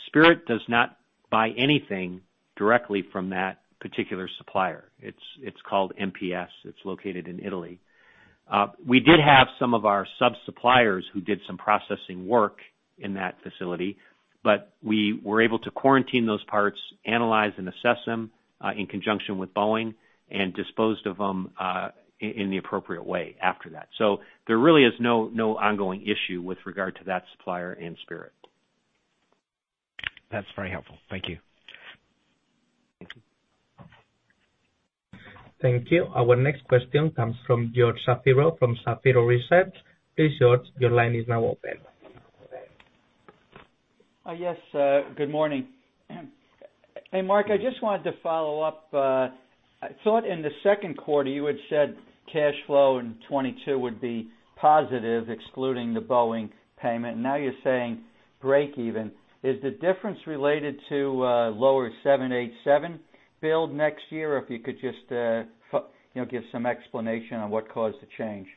Spirit does not buy anything directly from that particular supplier. It's called MPS. It's located in Italy. We did have some of our sub-suppliers who did some processing work in that facility, but we were able to quarantine those parts, analyze and assess them, in conjunction with Boeing, and disposed of them, in the appropriate way after that. So there really is no, no ongoing issue with regard to that supplier and Spirit. That's very helpful. Thank you. Thank you. Our next question comes from George Shapiro, from Shapiro Research. Please, George, your line is now open. Yes, good morning. Hey, Mark, I just wanted to follow up. I thought in the second quarter, you had said cash flow in 2022 would be positive, excluding the Boeing payment. Now you're saying break even. Is the difference related to lower 787 build next year? Or if you could just, you know, give some explanation on what caused the change.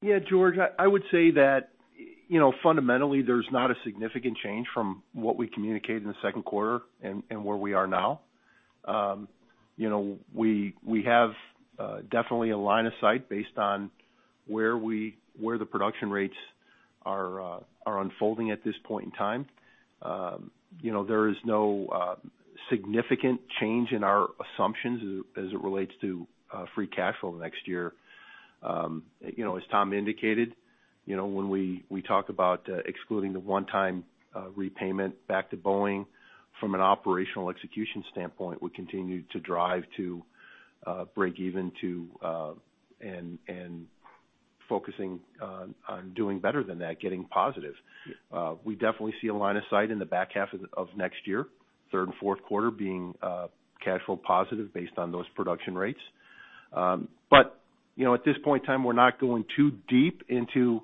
Yeah, George, I would say that, you know, fundamentally, there's not a significant change from what we communicated in the second quarter and where we are now. You know, we have definitely a line of sight based on where we -- where the production rates are unfolding at this point in time. You know, there is no significant change in our assumptions as it relates to free cash flow next year. You know, as Tom indicated, you know, when we talk about excluding the one-time repayment back to Boeing, from an operational execution standpoint, we continue to drive to break even to and focusing on doing better than that, getting positive. We definitely see a line of sight in the back half of next year, third and fourth quarter being cash flow positive based on those production rates. But, you know, at this point in time, we're not going too deep into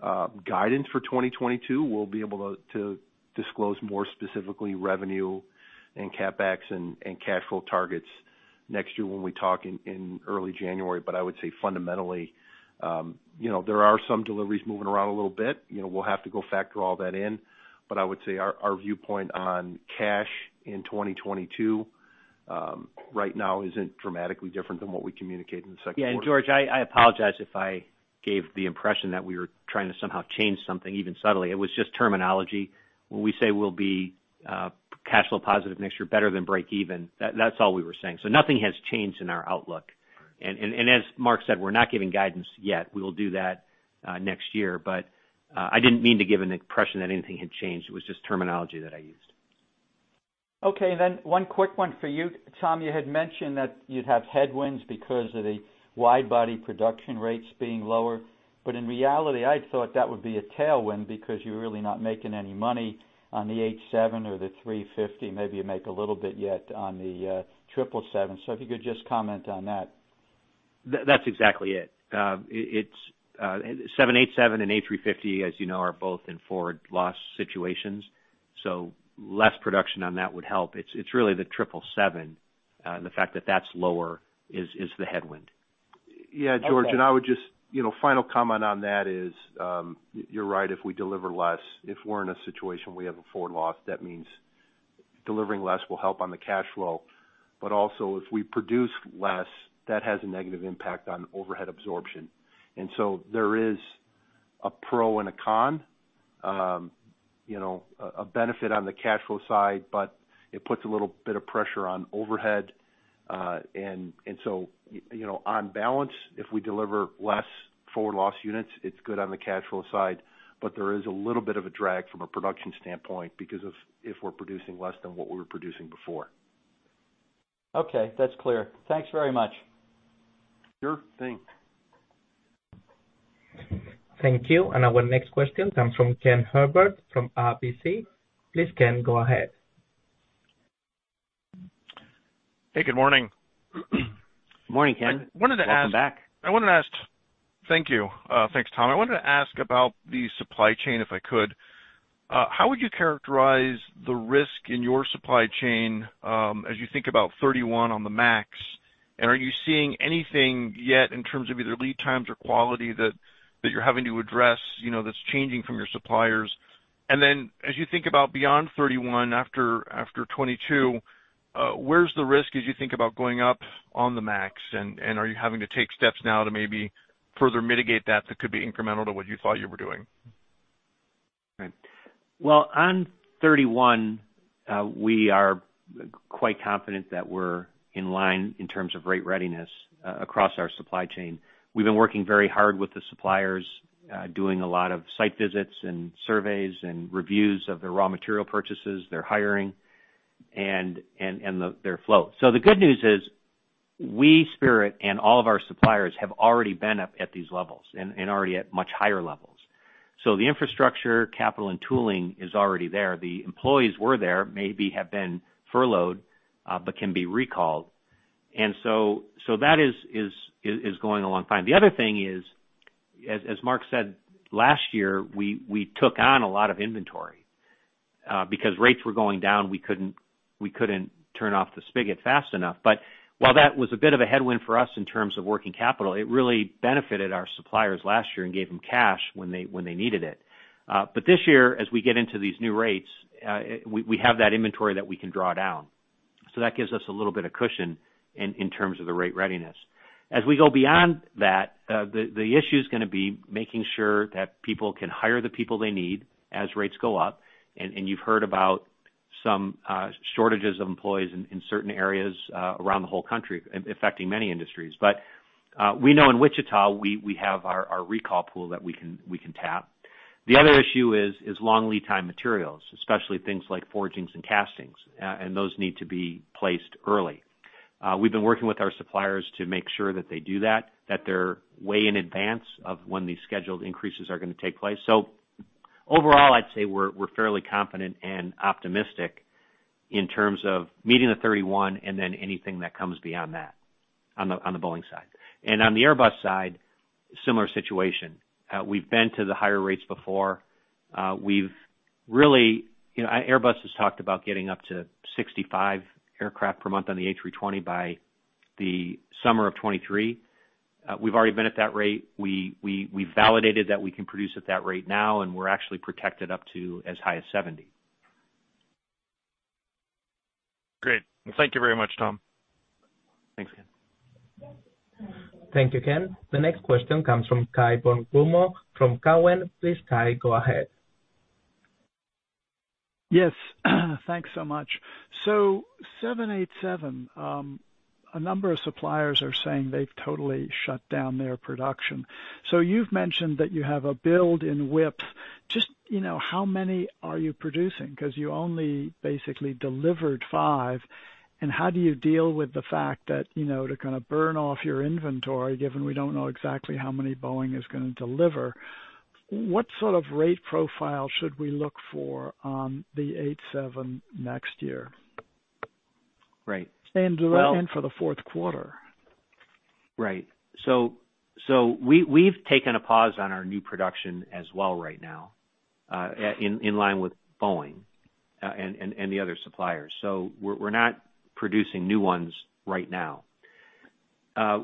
guidance for 2022. We'll be able to disclose more specifically revenue and CapEx and cash flow targets next year when we talk in early January. But I would say fundamentally, you know, there are some deliveries moving around a little bit. You know, we'll have to go factor all that in, but I would say our viewpoint on cash in 2022 right now isn't dramatically different than what we communicated in the second quarter. Yeah, and George, I apologize if I gave the impression that we were trying to somehow change something, even subtly. It was just terminology. When we say we'll be cash flow positive next year, better than break even, that's all we were saying. So nothing has changed in our outlook. And as Mark said, we're not giving guidance yet. We will do that next year, but I didn't mean to give an impression that anything had changed. It was just terminology that I used. Okay, then one quick one for you, Tom. You had mentioned that you'd have headwinds because of the wide body production rates being lower, but in reality, I'd thought that would be a tailwind because you're really not making any money on the 787 or the 350. Maybe you make a little bit yet on the 777. So if you could just comment on that. That's exactly it. It's the 787 and A350, as you know, are both in forward loss situations, so less production on that would help. It's, it's really the 777, and the fact that that's lower is the headwind. ... Yeah, George, and I would just, you know, final comment on that is, you're right, if we deliver less, if we're in a situation we have a forward loss, that means delivering less will help on the cash flow. But also, if we produce less, that has a negative impact on overhead absorption. And so there is a pro and a con, you know, a benefit on the cash flow side, but it puts a little bit of pressure on overhead. And so, you know, on balance, if we deliver less forward loss units, it's good on the cash flow side, but there is a little bit of a drag from a production standpoint because of if we're producing less than what we were producing before. Okay, that's clear. Thanks very much. Sure thing. Thank you. And our next question comes from Ken Herbert from RBC. Please, Ken, go ahead. Hey, good morning. Good morning, Ken. I wanted to ask- Welcome back. I wanted to ask... Thank you. Thanks, Tom. I wanted to ask about the supply chain, if I could. How would you characterize the risk in your supply chain, as you think about 31 on the MAX? And are you seeing anything yet in terms of either lead times or quality that you're having to address, you know, that's changing from your suppliers? And then, as you think about beyond 31 after 22, where's the risk as you think about going up on the MAX? And are you having to take steps now to maybe further mitigate that that could be incremental to what you thought you were doing? Right. Well, on 31, we are quite confident that we're in line in terms of rate readiness across our supply chain. We've been working very hard with the suppliers, doing a lot of site visits and surveys and reviews of their raw material purchases, their hiring, and their flow. So the good news is, we, Spirit, and all of our suppliers have already been up at these levels and already at much higher levels. So the infrastructure, capital, and tooling is already there. The employees were there, maybe have been furloughed, but can be recalled. And so that is going along fine. The other thing is, as Mark said, last year, we took on a lot of inventory. Because rates were going down, we couldn't turn off the spigot fast enough. But while that was a bit of a headwind for us in terms of working capital, it really benefited our suppliers last year and gave them cash when they needed it. But this year, as we get into these new rates, we have that inventory that we can draw down. So that gives us a little bit of cushion in terms of the rate readiness. As we go beyond that, the issue is gonna be making sure that people can hire the people they need as rates go up. And you've heard about some shortages of employees in certain areas around the whole country, affecting many industries. But we know in Wichita, we have our recall pool that we can tap. The other issue is long lead time materials, especially things like forgings and castings, and those need to be placed early. We've been working with our suppliers to make sure that they do that, that they're way in advance of when these scheduled increases are gonna take place. So overall, I'd say we're fairly confident and optimistic in terms of meeting the 31 and then anything that comes beyond that, on the Boeing side. And on the Airbus side, similar situation. We've been to the higher rates before. We've really, you know, Airbus has talked about getting up to 65 aircraft per month on the A320 by the summer of 2023. We've already been at that rate. We've validated that we can produce at that rate now, and we're actually protected up to as high as 70. Great. Thank you very much, Tom. Thanks, Ken. Thank you, Ken. The next question comes from Cai von Rumohr from Cowen. Please, Cai, go ahead. Yes, thanks so much. So 787, a number of suppliers are saying they've totally shut down their production. So you've mentioned that you have a build in WIP. Just, you know, how many are you producing? Because you only basically delivered 5. And how do you deal with the fact that, you know, to kind of burn off your inventory, given we don't know exactly how many Boeing is gonna deliver, what sort of rate profile should we look for on the 787 next year? Right. Do well and for the fourth quarter. Right. So we've taken a pause on our new production as well right now, in line with Boeing, and the other suppliers. So we're not producing new ones right now.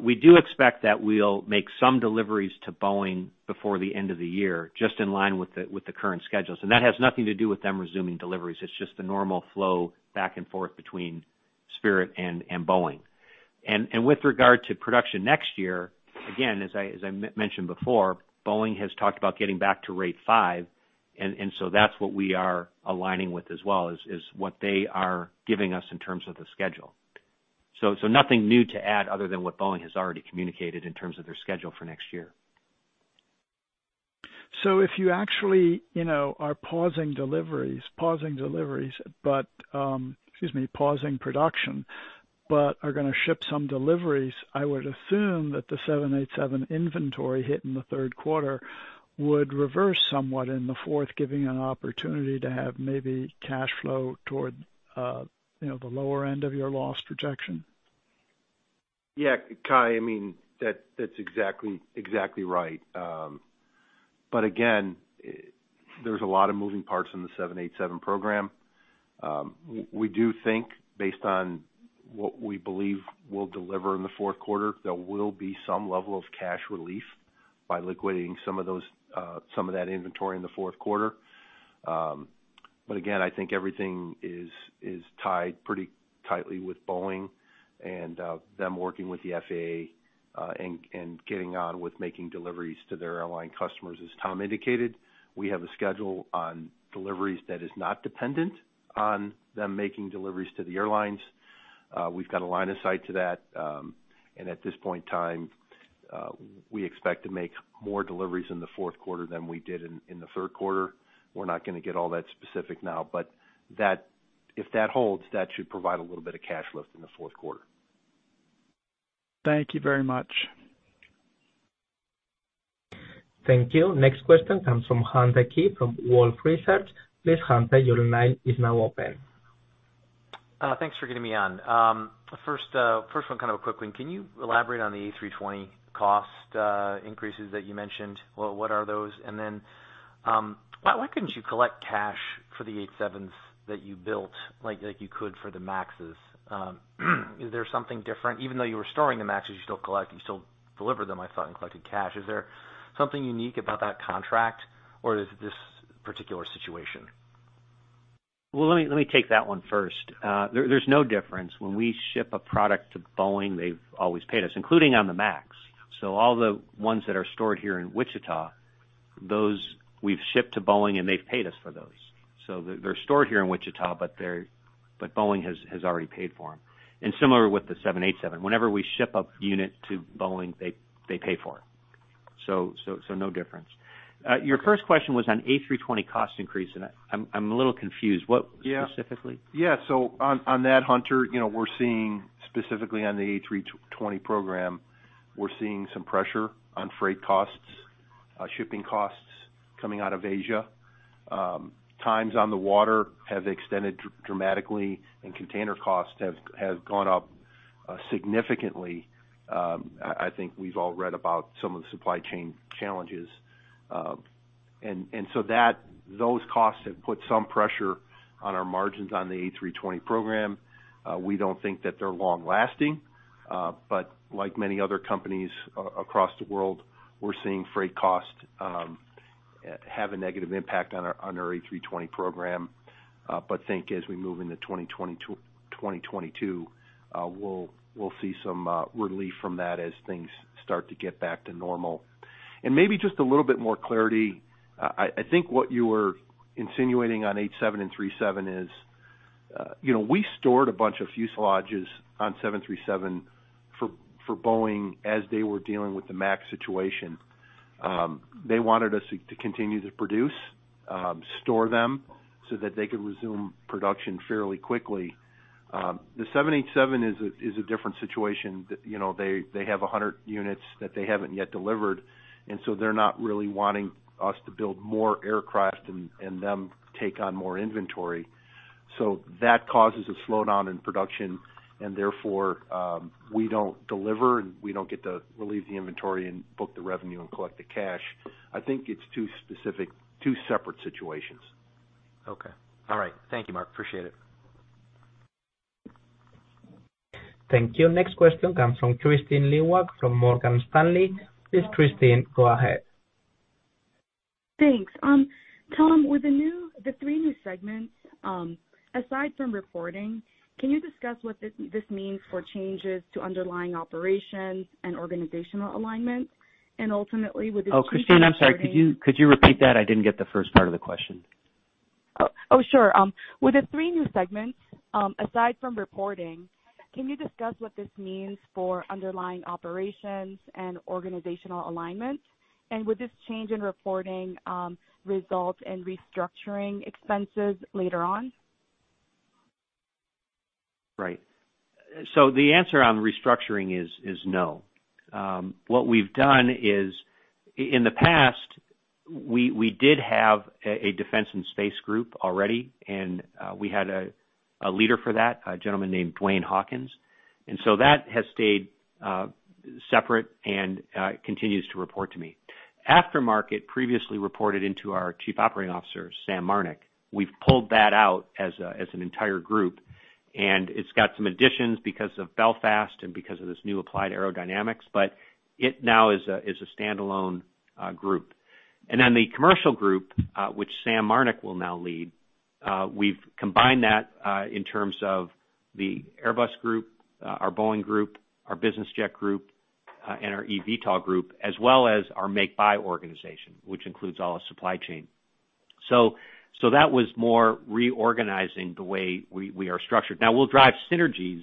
We do expect that we'll make some deliveries to Boeing before the end of the year, just in line with the current schedules, and that has nothing to do with them resuming deliveries. It's just the normal flow back and forth between Spirit and Boeing. With regard to production next year, again, as I mentioned before, Boeing has talked about getting back to rate 5, and so that's what we are aligning with as well, is what they are giving us in terms of the schedule. So, nothing new to add other than what Boeing has already communicated in terms of their schedule for next year. So if you actually, you know, are pausing deliveries, pausing deliveries, but, excuse me, pausing production, but are gonna ship some deliveries, I would assume that the 787 inventory hit in the third quarter would reverse somewhat in the fourth, giving an opportunity to have maybe cash flow toward, you know, the lower end of your loss projection. Yeah, Cai, I mean, that's exactly, exactly right. But again, there's a lot of moving parts in the 787 program. We do think based on what we believe will deliver in the fourth quarter, there will be some level of cash relief by liquidating some of those, some of that inventory in the fourth quarter. But again, I think everything is tied pretty tightly with Boeing and them working with the FAA, and getting on with making deliveries to their airline customers. As Tom indicated, we have a schedule on deliveries that is not dependent on them making deliveries to the airlines. We've got a line of sight to that, and at this point in time, we expect to make more deliveries in the fourth quarter than we did in the third quarter. We're not gonna get all that specific now, but that, if that holds, that should provide a little bit of cash lift in the fourth quarter. Thank you very much. Thank you. Next question comes from Hunter Keay from Wolfe Research. Please, Hunter, your line is now open. Thanks for getting me on. First, first one, kind of a quick one. Can you elaborate on the A320 cost increases that you mentioned? What, what are those? And then, why, why couldn't you collect cash for the 787s that you built, like, like you could for the MAXs? Is there something different? Even though you were storing the MAX, you still collect, you still delivered them, I thought, and collected cash. Is there something unique about that contract or is it this particular situation? Well, let me, let me take that one first. There, there's no difference. When we ship a product to Boeing, they've always paid us, including on the MAX. So all the ones that are stored here in Wichita, those we've shipped to Boeing, and they've paid us for those. So they're, they're stored here in Wichita, but they're, but Boeing has, has already paid for them. And similar with the 787, whenever we ship a unit to Boeing, they, they pay for it. So, so, so no difference. Your first question was on A320 cost increase, and I'm a little confused. What specifically? Yeah. Yeah, so on that, Hunter, you know, we're seeing specifically on the A320 program, we're seeing some pressure on freight costs, shipping costs coming out of Asia. Times on the water have extended dramatically, and container costs have gone up significantly. I think we've all read about some of the supply chain challenges. And so that, those costs have put some pressure on our margins on the A320 program. We don't think that they're long lasting, but like many other companies across the world, we're seeing freight costs have a negative impact on our on our A320 program. But think as we move into 2022, we'll see some relief from that as things start to get back to normal. And maybe just a little bit more clarity, I think what you were insinuating on 787 and 737 is, you know, we stored a bunch of fuselages on 737 for Boeing as they were dealing with the MAX situation. They wanted us to continue to produce, store them, so that they could resume production fairly quickly. The 787 is a different situation. You know, they have 100 units that they haven't yet delivered, and so they're not really wanting us to build more aircraft and them take on more inventory. So that causes a slowdown in production, and therefore, we don't deliver, and we don't get to relieve the inventory and book the revenue and collect the cash. I think it's two specific, two separate situations. Okay. All right. Thank you, Mark. Appreciate it. Thank you. Next question comes from Kristine Liwag from Morgan Stanley. Please, Kristine, go ahead. Thanks. Tom, with the new, the three new segments, aside from reporting, can you discuss what this means for changes to underlying operations and organizational alignment? And ultimately, with the- Oh, Kristine, I'm sorry. Could you, could you repeat that? I didn't get the first part of the question. Oh, oh, sure. With the three new segments, aside from reporting, can you discuss what this means for underlying operations and organizational alignment? Would this change in reporting result in restructuring expenses later on? Right. So the answer on restructuring is no. What we've done is in the past, we did have a defense and space group already, and we had a leader for that, a gentleman named Duane Hawkins. And so that has stayed separate and continues to report to me. Aftermarket previously reported into our Chief Operating Officer, Sam Marnick. We've pulled that out as an entire group, and it's got some additions because of Belfast and because of this new Applied Aerodynamics, but it now is a standalone group. And then the commercial group, which Sam Marnick will now lead, we've combined that in terms of the Airbus group, our Boeing group, our business jet group, and our eVTOL group, as well as our make-buy organization, which includes all our supply chain. So, that was more reorganizing the way we are structured. Now, we'll drive synergies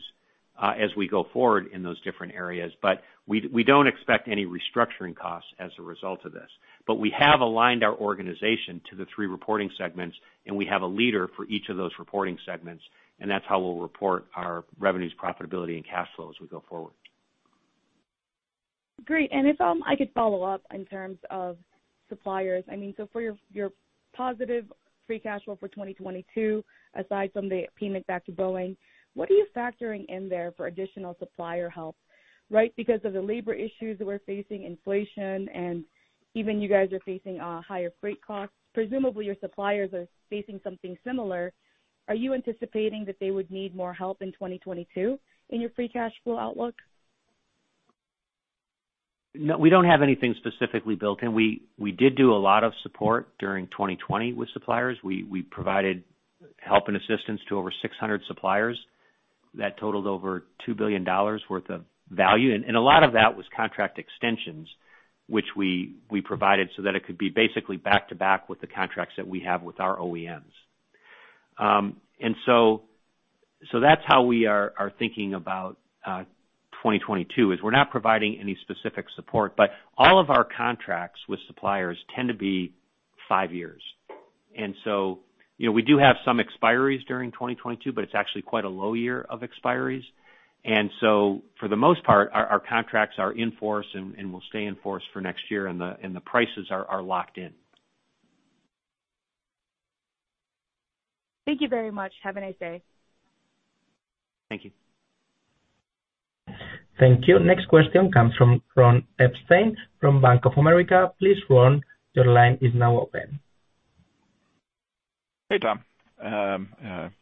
as we go forward in those different areas, but we don't expect any restructuring costs as a result of this. But we have aligned our organization to the three reporting segments, and we have a leader for each of those reporting segments, and that's how we'll report our revenues, profitability, and cash flow as we go forward. Great. And if I could follow up in terms of suppliers. I mean, so for your, your positive free cash flow for 2022, aside from the payment back to Boeing, what are you factoring in there for additional supplier help, right? Because of the labor issues that we're facing, inflation, and even you guys are facing, higher freight costs. Presumably, your suppliers are facing something similar. Are you anticipating that they would need more help in 2022 in your free cash flow outlook? No, we don't have anything specifically built in. We did do a lot of support during 2020 with suppliers. We provided help and assistance to over 600 suppliers. That totaled over $2 billion worth of value, and a lot of that was contract extensions, which we provided so that it could be basically back-to-back with the contracts that we have with our OEMs. So that's how we are thinking about 2022, is we're not providing any specific support, but all of our contracts with suppliers tend to be five years. And so, you know, we do have some expiries during 2022, but it's actually quite a low year of expiries. And so for the most part, our contracts are in force and will stay in force for next year, and the prices are locked in. Thank you very much. Have a nice day. Thank you. Thank you. Next question comes from Ron Epstein from Bank of America. Please, Ron, your line is now open. Hey, Tom.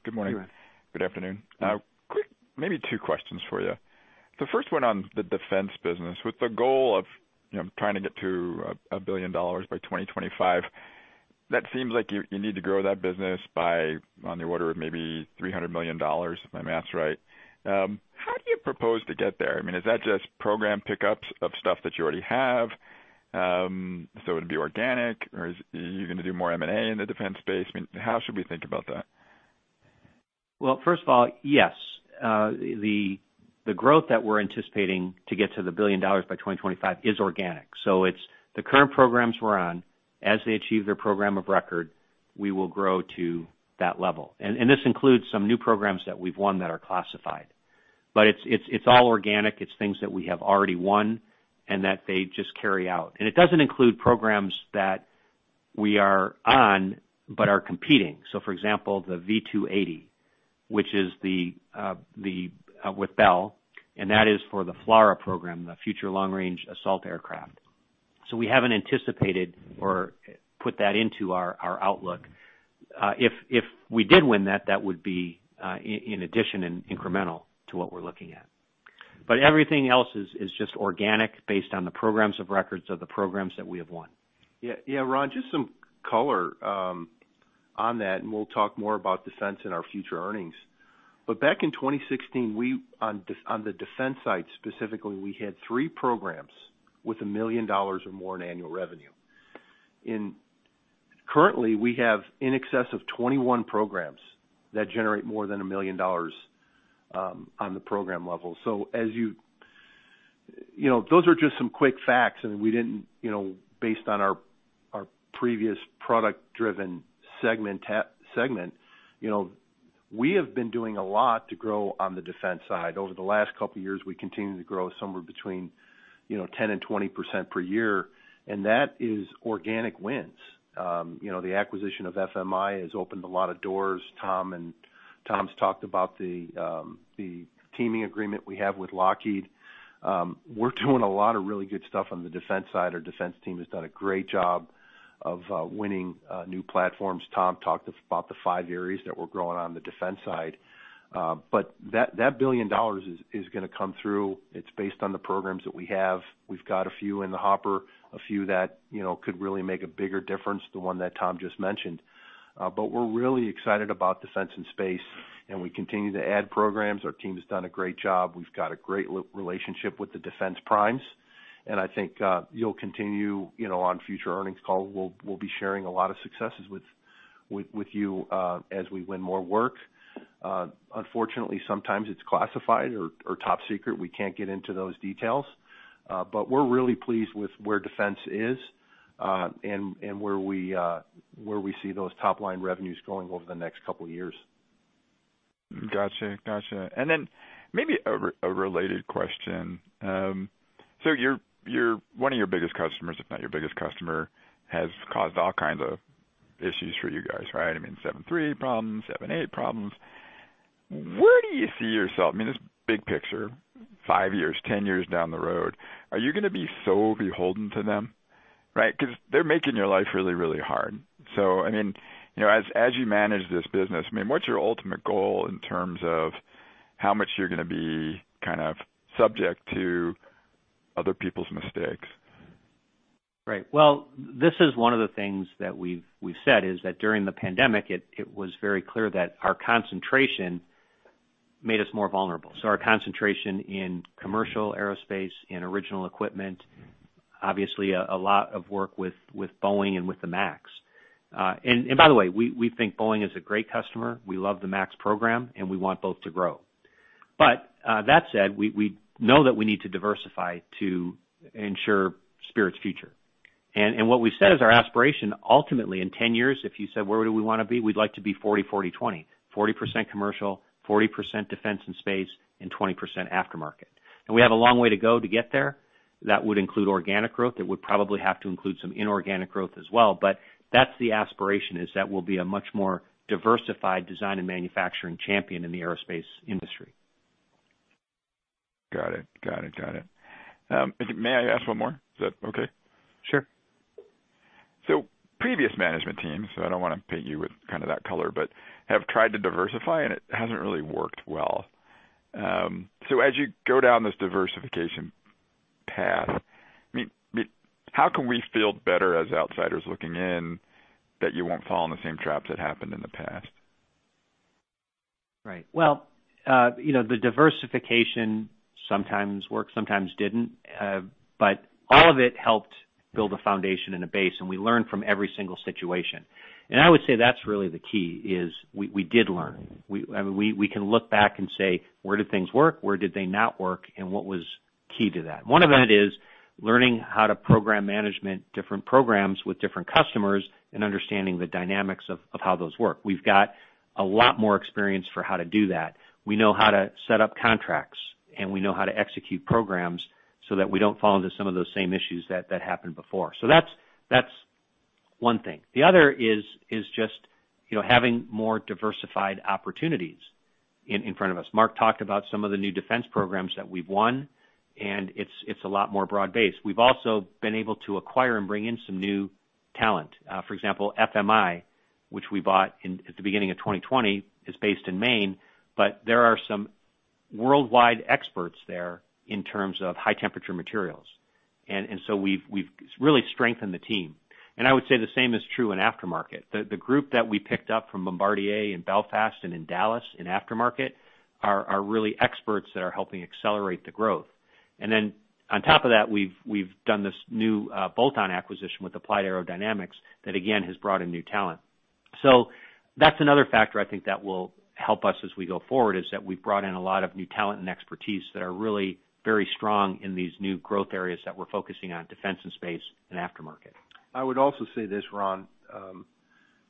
Good morning. Hey, Ron. Good afternoon. Quick, maybe two questions for you. The first one on the defense business. With the goal of, you know, trying to get to a $1 billion by 2025, that seems like you need to grow that business by on the order of maybe $300 million, if my math's right. How do you propose to get there? I mean, is that just program pickups of stuff that you already have? So it would be organic, or are you gonna do more M&A in the defense space? I mean, how should we think about that? Well, first of all, yes, the growth that we're anticipating to get to the $1 billion by 2025 is organic. So it's the current programs we're on, as they achieve their program of record, we will grow to that level. And this includes some new programs that we've won that are classified. But it's all organic. It's things that we have already won and that they just carry out. And it doesn't include programs that we are on, but are competing. So for example, the V-280, which is with Bell, and that is for the FLRAA program, the Future Long-Range Assault Aircraft. So we haven't anticipated or put that into our outlook. If we did win that, that would be in addition and incremental to what we're looking at. But everything else is just organic, based on the programs of records of the programs that we have won. Yeah, yeah, Ron, just some color on that, and we'll talk more about defense in our future earnings. But back in 2016, we, on the defense side, specifically, we had 3 programs with $1 million or more in annual revenue. Currently, we have in excess of 21 programs that generate more than $1 million, on the program level. So as you... You know, those are just some quick facts, and we didn't, you know, based on our, our previous product-driven segment, you know, we have been doing a lot to grow on the defense side. Over the last couple of years, we continued to grow somewhere between, you know, 10%-20% per year, and that is organic wins. You know, the acquisition of FMI has opened a lot of doors. Tom and Tom's talked about the teaming agreement we have with Lockheed. We're doing a lot of really good stuff on the defense side. Our defense team has done a great job of winning new platforms. Tom talked about the five areas that we're growing on the defense side. But that $1 billion is gonna come through. It's based on the programs that we have. We've got a few in the hopper, a few that, you know, could really make a bigger difference, the one that Tom just mentioned. But we're really excited about defense and space, and we continue to add programs. Our team has done a great job. We've got a great relationship with the defense primes, and I think, you'll continue, you know, on future earnings calls, we'll be sharing a lot of successes with you as we win more work. Unfortunately, sometimes it's classified or top secret. We can't get into those details, but we're really pleased with where defense is and where we see those top-line revenues going over the next couple of years. Gotcha. Gotcha. And then maybe a related question. So your, your, one of your biggest customers, if not your biggest customer, has caused all kinds of issues for you guys, right? I mean, 737 problems, 787 problems. Where do you see yourself? I mean, just big picture, 5 years, 10 years down the road, are you gonna be so beholden to them, right? Because they're making your life really, really hard. So, I mean, you know, as, as you manage this business, I mean, what's your ultimate goal in terms of how much you're gonna be kind of subject to other people's mistakes? Right. Well, this is one of the things that we've said, is that during the pandemic, it was very clear that our concentration made us more vulnerable. So our concentration in commercial aerospace and original equipment, obviously a lot of work with Boeing and with the MAX. And by the way, we think Boeing is a great customer. We love the MAX program, and we want both to grow. But that said, we know that we need to diversify to ensure Spirit's future. And what we've said is our aspiration, ultimately, in 10 years, if you said, where do we want to be? We'd like to be 40, 40, 20. 40% commercial, 40% defense and space, and 20% aftermarket. And we have a long way to go to get there. That would include organic growth. It would probably have to include some inorganic growth as well, but that's the aspiration, is that we'll be a much more diversified design and manufacturing champion in the aerospace industry.... Got it. Got it, got it. May I ask one more? Is that okay? Sure. So previous management teams, so I don't want to paint you with kind of that color, but have tried to diversify, and it hasn't really worked well. So as you go down this diversification path, I mean, how can we feel better as outsiders looking in, that you won't fall in the same traps that happened in the past? Right. Well, you know, the diversification sometimes worked, sometimes didn't. But all of it helped build a foundation and a base, and we learned from every single situation. And I would say that's really the key, is we, we did learn. We, I mean, we, we can look back and say: Where did things work? Where did they not work, and what was key to that? One of it is learning how to program management different programs with different customers and understanding the dynamics of, of how those work. We've got a lot more experience for how to do that. We know how to set up contracts, and we know how to execute programs so that we don't fall into some of those same issues that, that happened before. So that's, that's one thing. The other is just, you know, having more diversified opportunities in front of us. Mark talked about some of the new defense programs that we've won, and it's a lot more broad-based. We've also been able to acquire and bring in some new talent. For example, FMI, which we bought in at the beginning of 2020, is based in Maine, but there are some worldwide experts there in terms of high-temperature materials. And so we've really strengthened the team. And I would say the same is true in aftermarket. The group that we picked up from Bombardier in Belfast and in Dallas, in aftermarket, are really experts that are helping accelerate the growth. And then on top of that, we've done this new bolt-on acquisition with Applied Aerodynamics, that again, has brought in new talent. That's another factor I think that will help us as we go forward, is that we've brought in a lot of new talent and expertise that are really very strong in these new growth areas that we're focusing on, defense and space and aftermarket. I would also say this, Ron.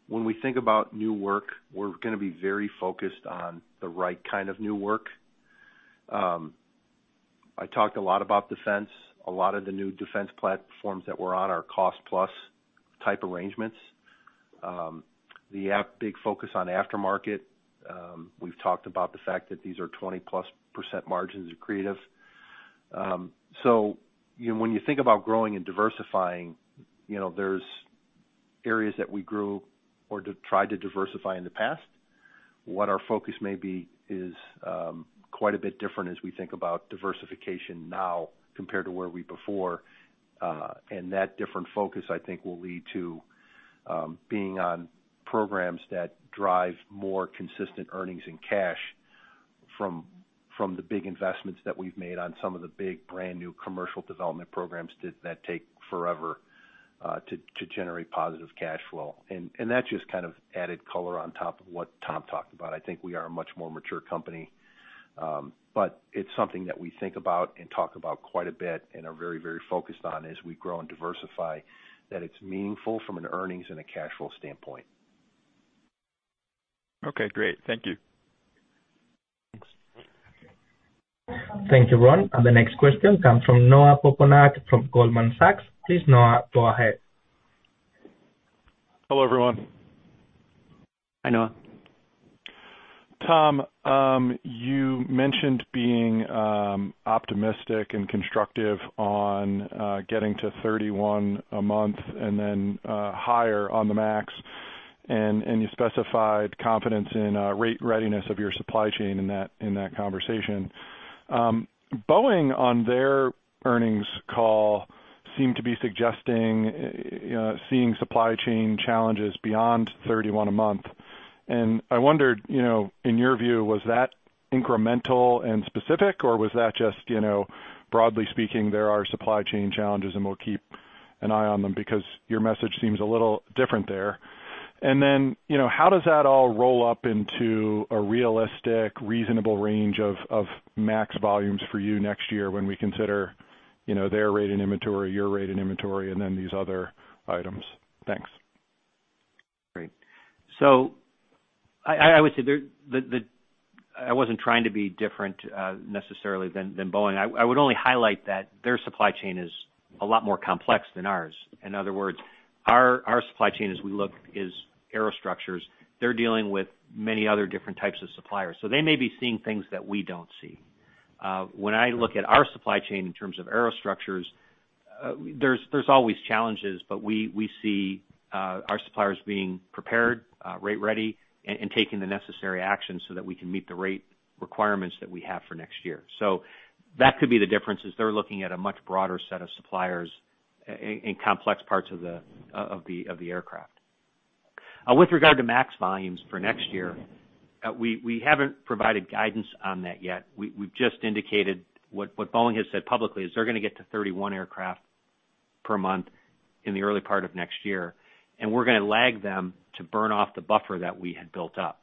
When we think about new work, we're going to be very focused on the right kind of new work. I talked a lot about defense. A lot of the new defense platforms that we're on are cost-plus type arrangements. Big focus on aftermarket. We've talked about the fact that these are 20-plus percent margins accretive. So, you know, when you think about growing and diversifying, you know, there's areas that we grew or tried to diversify in the past. What our focus may be is quite a bit different as we think about diversification now compared to where we before. And that different focus, I think, will lead to being on programs that drive more consistent earnings and cash from the big investments that we've made on some of the big brand new commercial development programs that take forever to generate positive cash flow. And that just kind of added color on top of what Tom talked about. I think we are a much more mature company, but it's something that we think about and talk about quite a bit and are very, very focused on as we grow and diversify, that it's meaningful from an earnings and a cash flow standpoint. Okay, great. Thank you. Thanks. Thank you, Ron. The next question comes from Noah Poponak from Goldman Sachs. Please, Noah, go ahead. Hello, everyone. Hi, Noah. Tom, you mentioned being optimistic and constructive on getting to 31 a month and then higher on the MAX, and you specified confidence in rate readiness of your supply chain in that conversation. Boeing, on their earnings call, seemed to be suggesting, you know, seeing supply chain challenges beyond 31 a month. I wondered, you know, in your view, was that incremental and specific, or was that just, you know, broadly speaking, there are supply chain challenges, and we'll keep an eye on them? Because your message seems a little different there. Then, you know, how does that all roll up into a realistic, reasonable range of MAX volumes for you next year when we consider, you know, their rate in inventory, your rate in inventory, and then these other items? Thanks. Great. So I would say there. The, I wasn't trying to be different, necessarily than Boeing. I would only highlight that their supply chain is a lot more complex than ours. In other words, our supply chain, as we look, is aerostructures. They're dealing with many other different types of suppliers, so they may be seeing things that we don't see. When I look at our supply chain in terms of aerostructures, there's always challenges, but we see our suppliers being prepared, rate ready, and taking the necessary actions so that we can meet the rate requirements that we have for next year. So that could be the difference, is they're looking at a much broader set of suppliers in complex parts of the aircraft. With regard to MAX volumes for next year, we, we haven't provided guidance on that yet. We, we've just indicated what, what Boeing has said publicly is they're going to get to 31 aircraft per month in the early part of next year, and we're going to lag them to burn off the buffer that we had built up.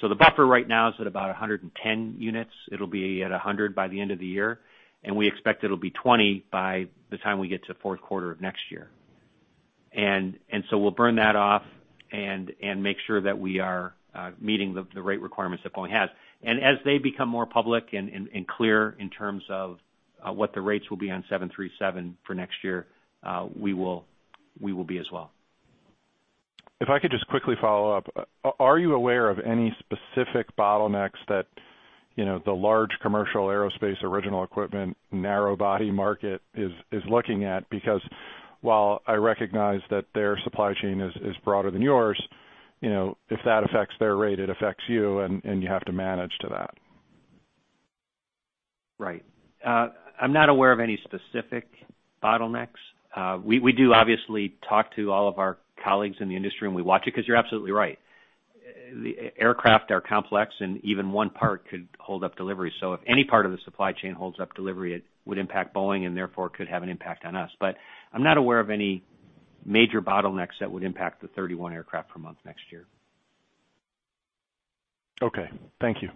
So the buffer right now is at about 110 units. It'll be at 100 by the end of the year, and we expect it'll be 20 by the time we get to fourth quarter of next year. And, and so we'll burn that off and, and make sure that we are, meeting the, the rate requirements that Boeing has. As they become more public and clear in terms of what the rates will be on 737 for next year, we will be as well. ... If I could just quickly follow up, are you aware of any specific bottlenecks that, you know, the large commercial aerospace original equipment, narrow body market is looking at? Because while I recognize that their supply chain is broader than yours, you know, if that affects their rate, it affects you, and you have to manage to that. Right. I'm not aware of any specific bottlenecks. We do obviously talk to all of our colleagues in the industry, and we watch it, because you're absolutely right. The aircraft are complex, and even one part could hold up delivery. So if any part of the supply chain holds up delivery, it would impact Boeing, and therefore could have an impact on us. But I'm not aware of any major bottlenecks that would impact the 31 aircraft per month next year. Okay, thank you.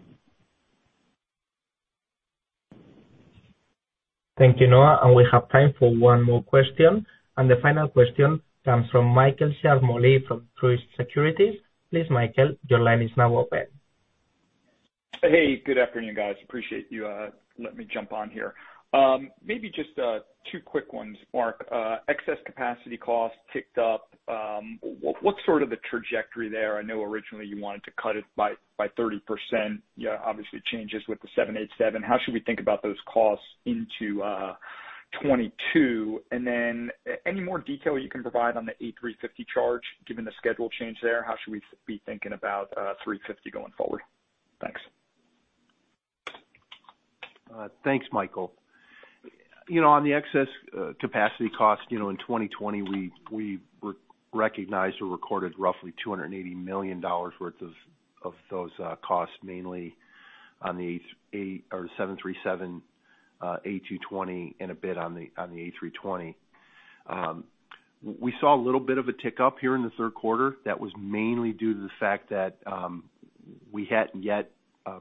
Thank you, Noah. We have time for one more question. The final question comes from Michael Ciarmoli from Truist Securities. Please, Michael, your line is now open. Hey, good afternoon, guys. Appreciate you letting me jump on here. Maybe just two quick ones, Mark. Excess capacity costs ticked up. What sort of a trajectory there? I know originally you wanted to cut it by 30%, yeah, obviously it changes with the 787. How should we think about those costs into 2022? And then any more detail you can provide on the A350 charge, given the schedule change there, how should we be thinking about 350 going forward? Thanks. Thanks, Michael. You know, on the excess capacity cost, you know, in 2020, we re-recognized or recorded roughly $280 million worth of those costs, mainly on the 787, A220, and a bit on the A320. We saw a little bit of a tick up here in the third quarter. That was mainly due to the fact that we hadn't yet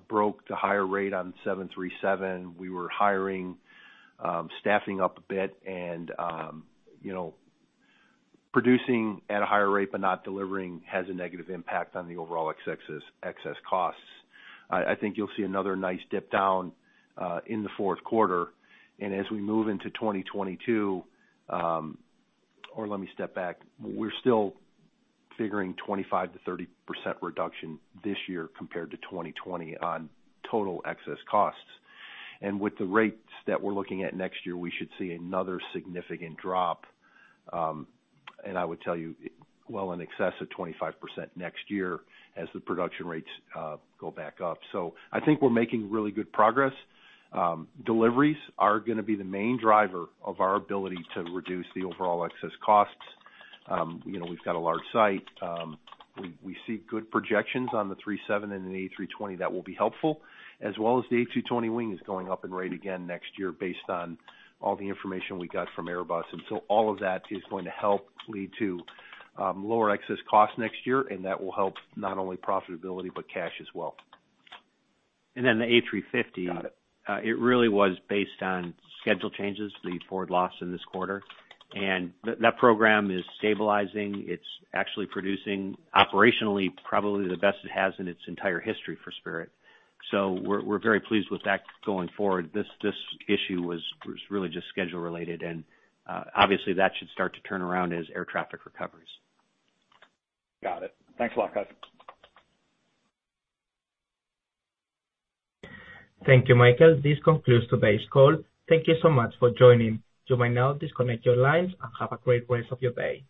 broke to higher rate on 737. We were hiring, staffing up a bit and, you know, producing at a higher rate, but not delivering, has a negative impact on the overall excess costs. I think you'll see another nice dip down in the fourth quarter, and as we move into 2022, or let me step back. We're still figuring 25%-30% reduction this year compared to 2020 on total excess costs. With the rates that we're looking at next year, we should see another significant drop. And I would tell you, well, in excess of 25% next year as the production rates go back up. So I think we're making really good progress. Deliveries are gonna be the main driver of our ability to reduce the overall excess costs. You know, we've got a large site. We see good projections on the 737 and the A320 that will be helpful, as well as the A220 wing is going up in rate again next year, based on all the information we got from Airbus. And so all of that is going to help lead to lower excess costs next year, and that will help not only profitability, but cash as well. And then the A350- Got it. It really was based on schedule changes, the forward loss in this quarter, and that program is stabilizing. It's actually producing operationally, probably the best it has in its entire history for Spirit. So we're very pleased with that going forward. This issue was really just schedule related, and obviously, that should start to turn around as air traffic recovers. Got it. Thanks a lot, guys. Thank you, Michael. This concludes today's call. Thank you so much for joining. You may now disconnect your lines, and have a great rest of your day.